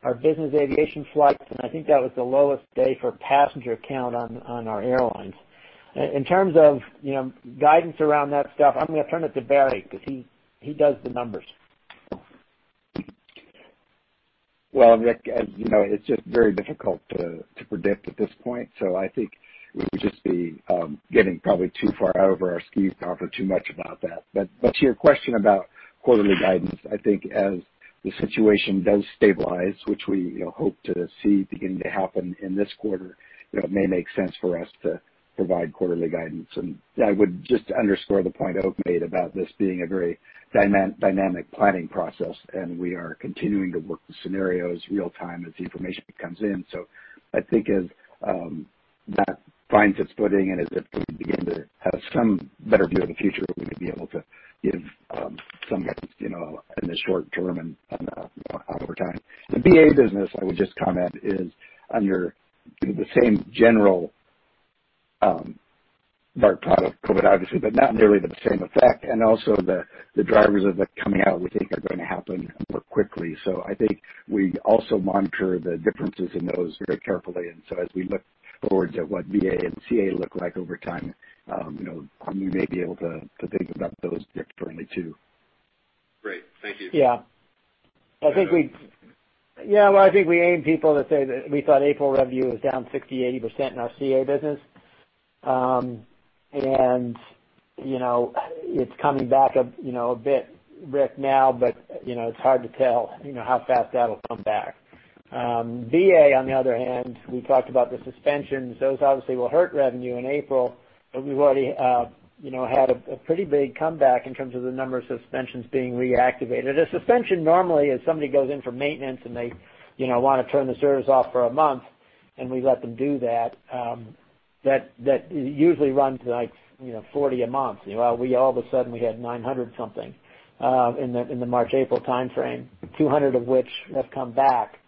our business aviation flights, and I think that was the lowest day for passenger count on our airlines. In terms of guidance around that stuff, I'm going to turn it to Barry, because he does the numbers. Well, Ric, as you know, it's just very difficult to predict at this point. I think we would just be getting probably too far out over our skis to offer too much about that. To your question about quarterly guidance, I think as the situation does stabilize, which we hope to see beginning to happen in this quarter, it may make sense for us to provide quarterly guidance. I would just underscore the point Oak made about this being a very dynamic planning process, and we are continuing to work the scenarios real time as the information comes in. I think as that finds its footing and as it can begin to have some better view of the future, we may be able to give some guidance in the short term and over time. The BA business, I would just comment, is under the same general, dark cloud of COVID, obviously, but not nearly the same effect. Also the drivers of the coming out we think are going to happen more quickly. I think we also monitor the differences in those very carefully. As we look forward to what BA and CA look like over time, we may be able to think about those differently, too. Great. Thank you. Yeah. Well, I think we aim people to say that we thought April revenue was down 60%-80% in our CA business. It's coming back a bit, Ric, now, but it's hard to tell how fast that'll come back. BA, on the other hand, we talked about the suspensions. Those obviously will hurt revenue in April, but we've already had a pretty big comeback in terms of the number of suspensions being reactivated. A suspension normally is somebody goes in for maintenance, and they want to turn the service off for a month, and we let them do that. That usually runs like 40 a month. Well, we all of a sudden we had 900 something in the March-April timeframe, 200 of which have come back,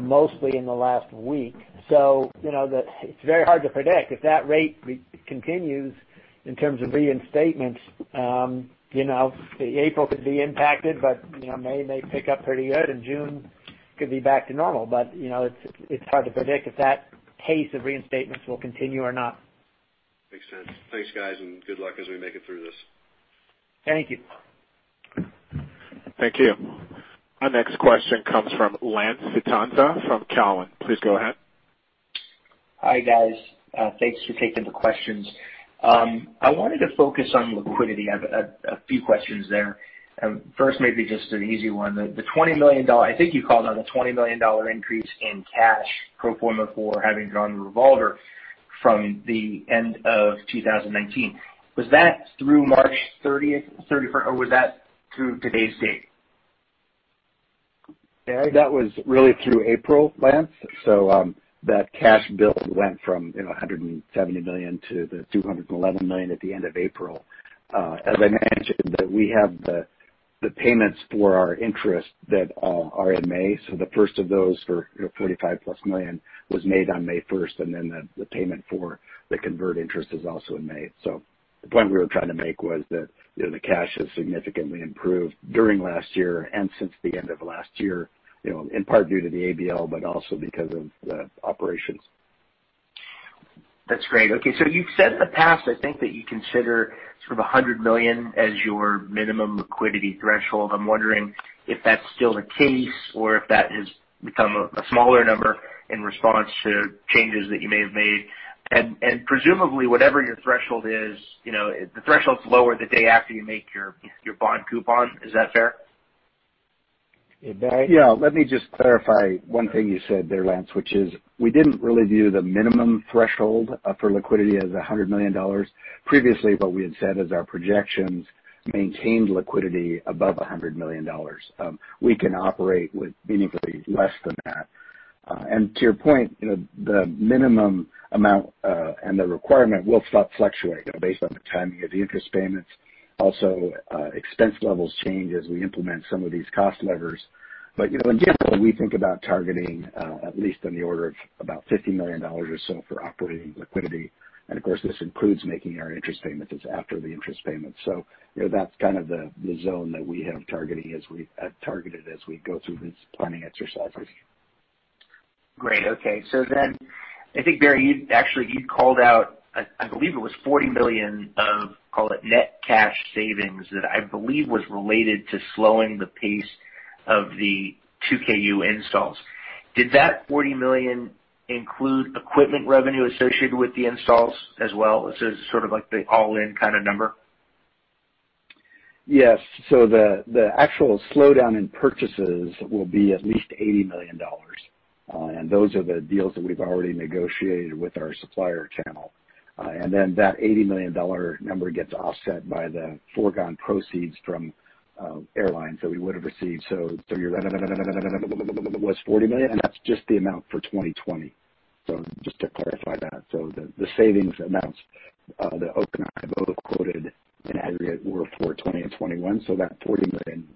mostly in the last week. It's very hard to predict. If that rate continues in terms of reinstatements, April could be impacted, but May may pick up pretty good, and June could be back to normal. It's hard to predict if that pace of reinstatements will continue or not. Makes sense. Thanks, guys, and good luck as we make it through this. Thank you. Thank you. Our next question comes from Lance Vitanza from Cowen. Please go ahead. Hi, guys. Thanks for taking the questions. I wanted to focus on liquidity. I have a few questions there. First, maybe just an easy one. I think you called out a $20 million increase in cash pro forma for having drawn the revolver from the end of 2019. Was that through March 30th, or was that through today's date? That was really through April, Lance. That cash build went from $170 million to the $211 million at the end of April. As I mentioned, we have the payments for our interest that are in May. The first of those for $45 plus million was made on May 1st, and then the payment for the convert interest is also in May. The point we were trying to make was that the cash has significantly improved during last year and since the end of last year, in part due to the ABL, but also because of the operations. That's great. Okay, you've said in the past, I think, that you consider sort of $100 million as your minimum liquidity threshold. I'm wondering if that's still the case or if that has become a smaller number in response to changes that you may have made. Presumably, whatever your threshold is, the threshold's lower the day after you make your bond coupon. Is that fair? Hey, let me just clarify one thing you said there, Lance, which is we didn't really view the minimum threshold for liquidity as $100 million. Previously, what we had said is our projections maintained liquidity above $100 million. We can operate with meaningfully less than that. To your point, the minimum amount and the requirement will fluctuate based on the timing of the interest payments. Also, expense levels change as we implement some of these cost levers. In general, we think about targeting at least on the order of about $50 million or so for operating liquidity. Of course, this includes making our interest payments. It's after the interest payments. That's kind of the zone that we have targeted as we go through this planning exercise. Great. Okay. I think, Barry, you actually called out, I believe it was $40 million of, call it, net cash savings that I believe was related to slowing the pace of the 2Ku installs. Did that $40 million include equipment revenue associated with the installs as well, so sort of like the all-in kind of number? Yes. The actual slowdown in purchases will be at least $80 million. Those are the deals that we've already negotiated with our supplier channel. That $80 million number gets offset by the foregone proceeds from airlines that we would have received. Your was $40 million, and that's just the amount for 2020. Just to clarify that. The savings amounts that Oak and I both quoted in aggregate were for 2020 and 2021. That $40 million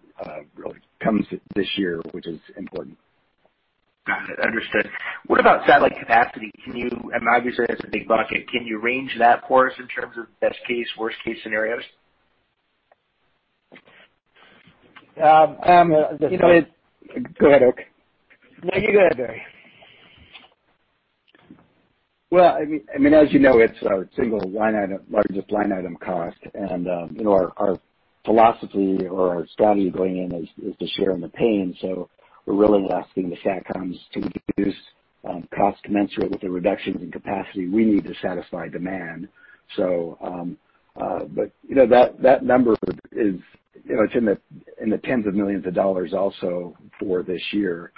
really comes this year, which is important. Got it. Understood. What about satellite capacity? Obviously, that's a big bucket. Can you range that for us in terms of best-case, worst-case scenarios? You know. Go ahead, Oak. No, you go ahead, Barry. Well, as you know, it's our single largest line item cost. Our philosophy or our strategy going in is to share in the pain. We're really asking the SATCOMs to reduce costs commensurate with the reductions in capacity we need to satisfy demand. That number, it's in the tens of millions of dollars also for this year,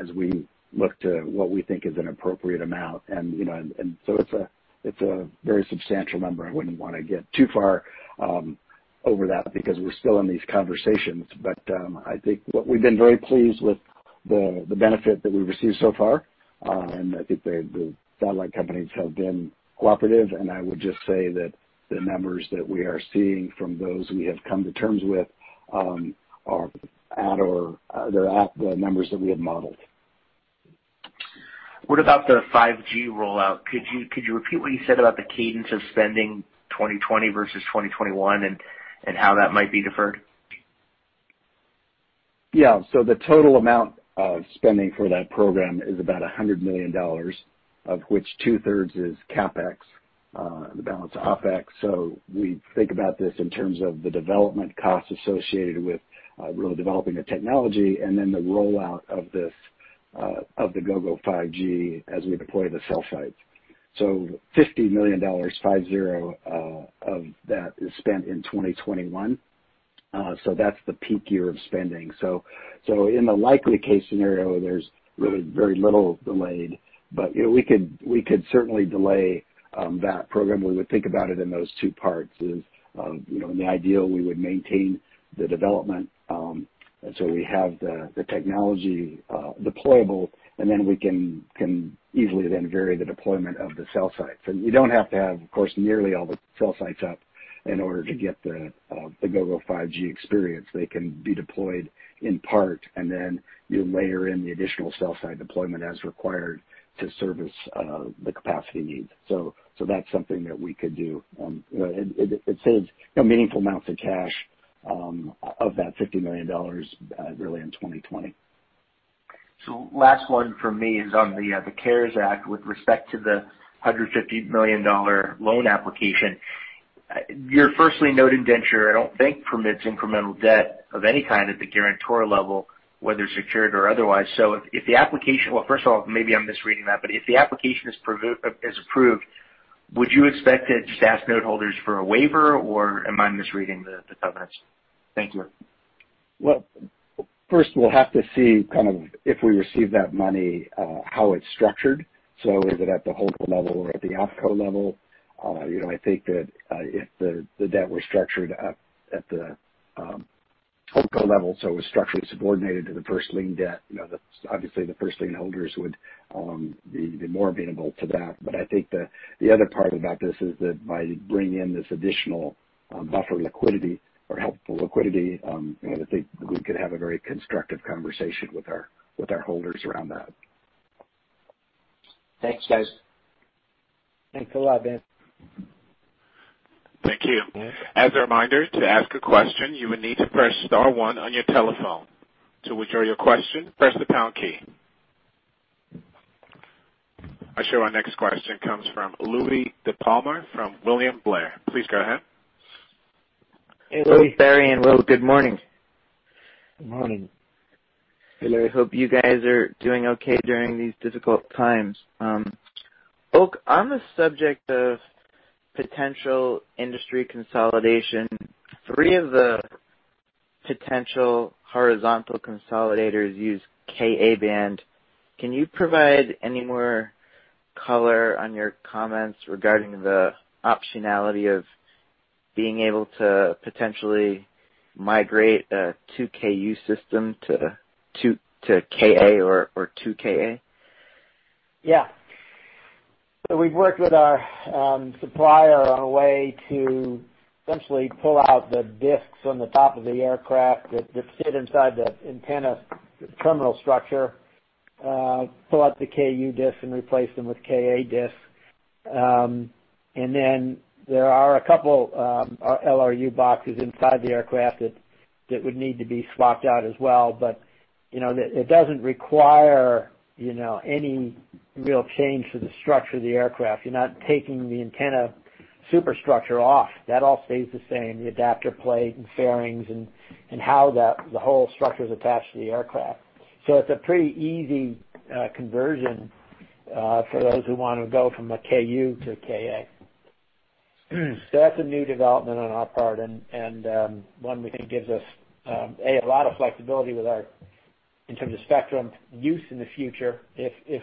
as we look to what we think is an appropriate amount. It's a very substantial number. I wouldn't want to get too far over that because we're still in these conversations. I think what we've been very pleased with the benefit that we've received so far, and I think the satellite companies have been cooperative, and I would just say that the numbers that we are seeing from those we have come to terms with are at the numbers that we have modeled. What about the 5G rollout? Could you repeat what you said about the cadence of spending 2020 versus 2021 and how that might be deferred? Yeah. The total amount of spending for that program is about $100 million, of which two-thirds is CapEx, the balance OpEx. We think about this in terms of the development costs associated with really developing the technology and then the rollout of the Gogo 5G as we deploy the cell sites. $50 million, five, zero, of that is spent in 2021. That's the peak year of spending. In the likely case scenario, there's really very little delayed, but we could certainly delay that program. We would think about it in those two parts is, in the ideal, we would maintain the development, we have the technology deployable, we can easily vary the deployment of the cell sites. You don't have to have, of course, nearly all the cell sites up in order to get the Gogo 5G experience. They can be deployed in part, and then you layer in the additional cell site deployment as required to service the capacity needs. That's something that we could do. It saves meaningful amounts of cash of that $50 million really in 2020. Last one from me is on the CARES Act with respect to the $150 million loan application. Your first lien note indenture, I don't think, permits incremental debt of any kind at the guarantor level, whether secured or otherwise. Well, first of all, maybe I'm misreading that, but if the application is approved, would you expect it to ask note holders for a waiver, or am I misreading the covenants? Thank you. First we'll have to see kind of if we receive that money, how it's structured. Is it at the holdco level or at the OpCo level? I think that if the debt were structured up at the OpCo level, so it was structurally subordinated to the first lien debt, obviously the first lien holders would be more amenable to that. I think the other part about this is that by bringing in this additional buffer liquidity or helpful liquidity, I think we could have a very constructive conversation with our holders around that. Thanks, guys. Thanks a lot, Lance. Thank you. As a reminder, to ask a question, you will need to press star one on your telephone. To withdraw your question, press the pound key. I show our next question comes from Louie DiPalma from William Blair. Please go ahead. Hey, Louie. Will, Barry, and Oak, good morning. Good morning. Hey, Louie. I hope you guys are doing okay during these difficult times. Oak, on the subject of potential industry consolidation, three of the potential horizontal consolidators use Ka-band. Can you provide any more color on your comments regarding the optionality of being able to potentially migrate a 2Ku system to Ka or 2Ka? We've worked with our supplier on a way to essentially pull out the discs on the top of the aircraft that sit inside the antenna terminal structure, pull out the Ku disc, and replace them with Ka disc. Then there are a couple LRU boxes inside the aircraft that would need to be swapped out as well. It doesn't require any real change to the structure of the aircraft. You're not taking the antenna superstructure off. That all stays the same, the adapter plate and fairings and how the whole structure is attached to the aircraft. It's a pretty easy conversion for those who want to go from a Ku to a Ka. That's a new development on our part and one we think gives us, A, a lot of flexibility in terms of spectrum use in the future, if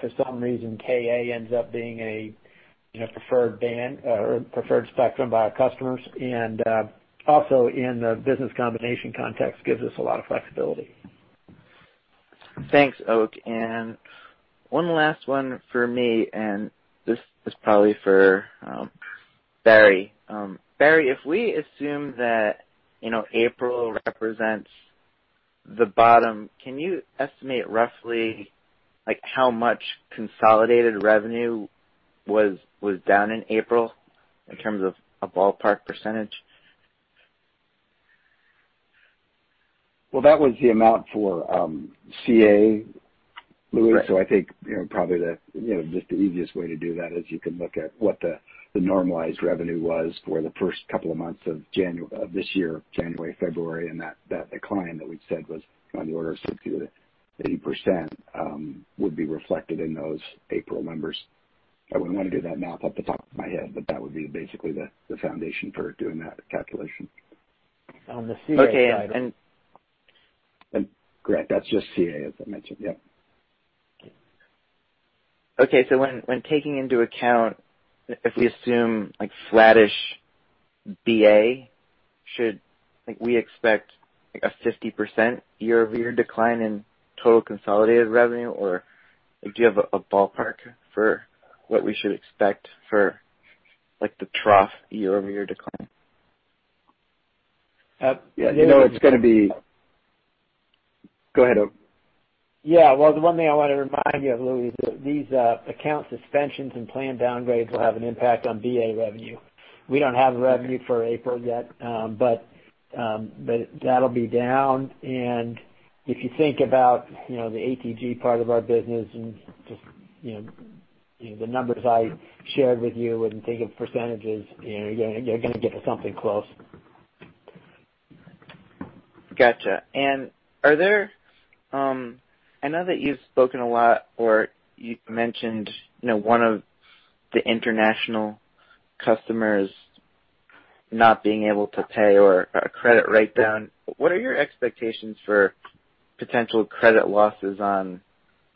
for some reason KA ends up being a preferred band or preferred spectrum by our customers. Also in the business combination context, gives us a lot of flexibility. Thanks, Oak. One last one for me, and this is probably for Barry. Barry, if we assume that April represents the bottom, can you estimate roughly how much consolidated revenue was down in April in terms of a ballpark percentage? Well, that was the amount for CA, Louie. Right. I think probably just the easiest way to do that is you can look at what the normalized revenue was for the first couple of months of this year, January, February, and that decline that we said was on the order of 60%-80% would be reflected in those April numbers. I wouldn't want to do that math off the top of my head, but that would be basically the foundation for doing that calculation. On the CA side. Okay. Correct, that's just CA, as I mentioned. Yep. Okay. When taking into account, if we assume flattish BA, should we expect a 50% year-over-year decline in total consolidated revenue? Do you have a ballpark for what we should expect for the trough year-over-year decline? Yeah. You know it's going to be Go ahead, Oak. Yeah. Well, the one thing I want to remind you of, Louie, is that these account suspensions and plan downgrades will have an impact on BA revenue. We don't have revenue for April yet. That'll be down. If you think about the ATG part of our business and just the numbers I shared with you when thinking of percentages, you're going to get something close. Got you. I know that you've spoken a lot, or you've mentioned one of the international customers not being able to pay or a credit write-down. What are your expectations for potential credit losses on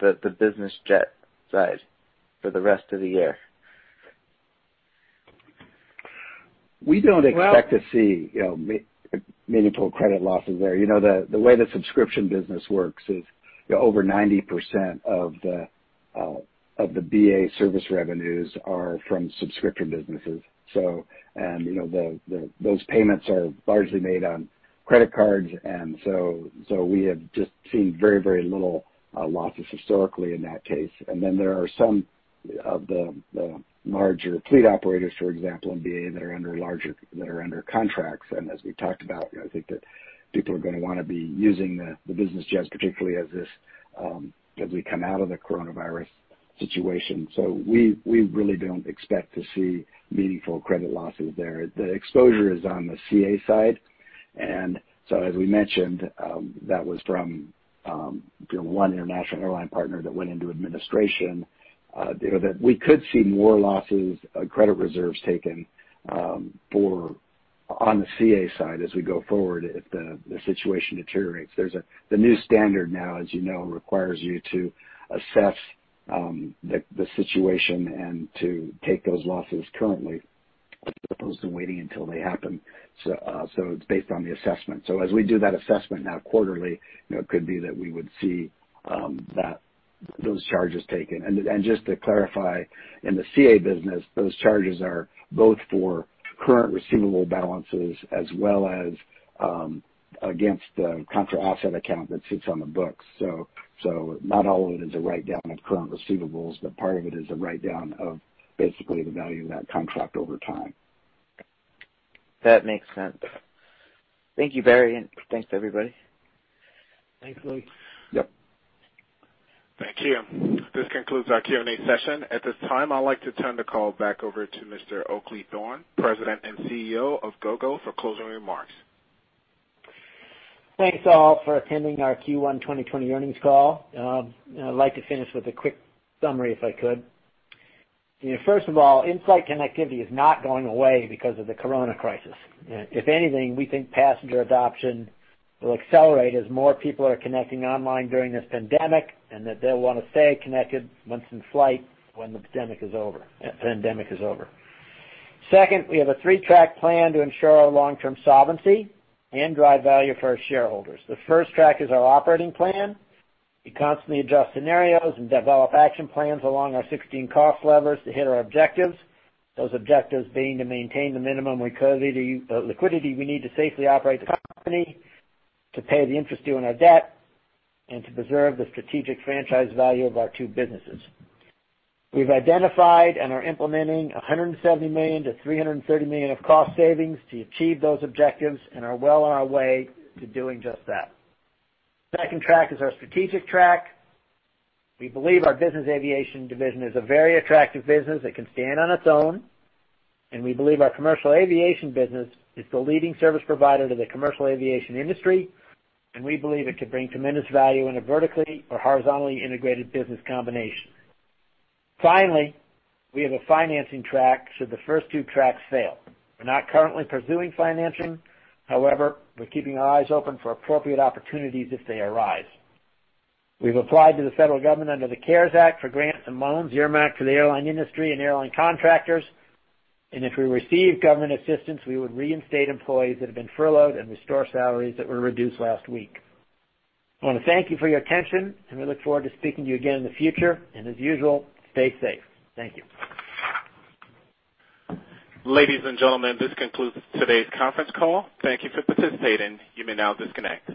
the business jet side for the rest of the year? We don't expect to see meaningful credit losses there. The way the subscription business works is over 90% of the BA service revenues are from subscription businesses. Those payments are largely made on credit cards. We have just seen very little losses historically in that case. There are some of the larger fleet operators, for example, in BA that are under contracts. As we've talked about, I think that people are going to want to be using the business jets, particularly as we come out of the coronavirus situation. We really don't expect to see meaningful credit losses there. The exposure is on the CA side. As we mentioned, that was from one international airline partner that went into administration. We could see more losses, credit reserves taken on the CA side as we go forward if the situation deteriorates. The new standard now, as you know, requires you to assess the situation and to take those losses currently as opposed to waiting until they happen. It's based on the assessment. As we do that assessment now quarterly, it could be that we would see those charges taken. Just to clarify, in the CA business, those charges are both for current receivable balances as well as against the contra asset account that sits on the books. Not all of it is a write-down of current receivables, but part of it is a write-down of basically the value of that contract over time. That makes sense. Thank you, Barry, and thanks, everybody. Thanks, Louie. Yep. Thank you. This concludes our Q&A session. At this time, I'd like to turn the call back over to Mr. Oakleigh Thorne, President and CEO of Gogo, for closing remarks. Thanks all for attending our Q1 2020 earnings call. I'd like to finish with a quick summary if I could. First of all, in-flight connectivity is not going away because of the corona crisis. If anything, we think passenger adoption will accelerate as more people are connecting online during this pandemic, and that they'll want to stay connected once in flight when the pandemic is over. Second, we have a three-track plan to ensure our long-term solvency and drive value for our shareholders. The first track is our operating plan. We constantly adjust scenarios and develop action plans along our 16 cost levers to hit our objectives. Those objectives being to maintain the minimum liquidity we need to safely operate the company, to pay the interest due on our debt, and to preserve the strategic franchise value of our two businesses. We've identified and are implementing $170 million-$330 million of cost savings to achieve those objectives and are well on our way to doing just that. Second track is our strategic track. We believe our business aviation division is a very attractive business that can stand on its own, and we believe our commercial aviation business is the leading service provider to the commercial aviation industry, and we believe it could bring tremendous value in a vertically or horizontally integrated business combination. Finally, we have a financing track should the first two tracks fail. We're not currently pursuing financing. However, we're keeping our eyes open for appropriate opportunities if they arise. We've applied to the federal government under the CARES Act for grants and loans earmarked for the airline industry and airline contractors. If we receive government assistance, we would reinstate employees that have been furloughed and restore salaries that were reduced last week. I want to thank you for your attention, and we look forward to speaking to you again in the future. As usual, stay safe. Thank you. Ladies and gentlemen, this concludes today's conference call. Thank you for participating. You may now disconnect.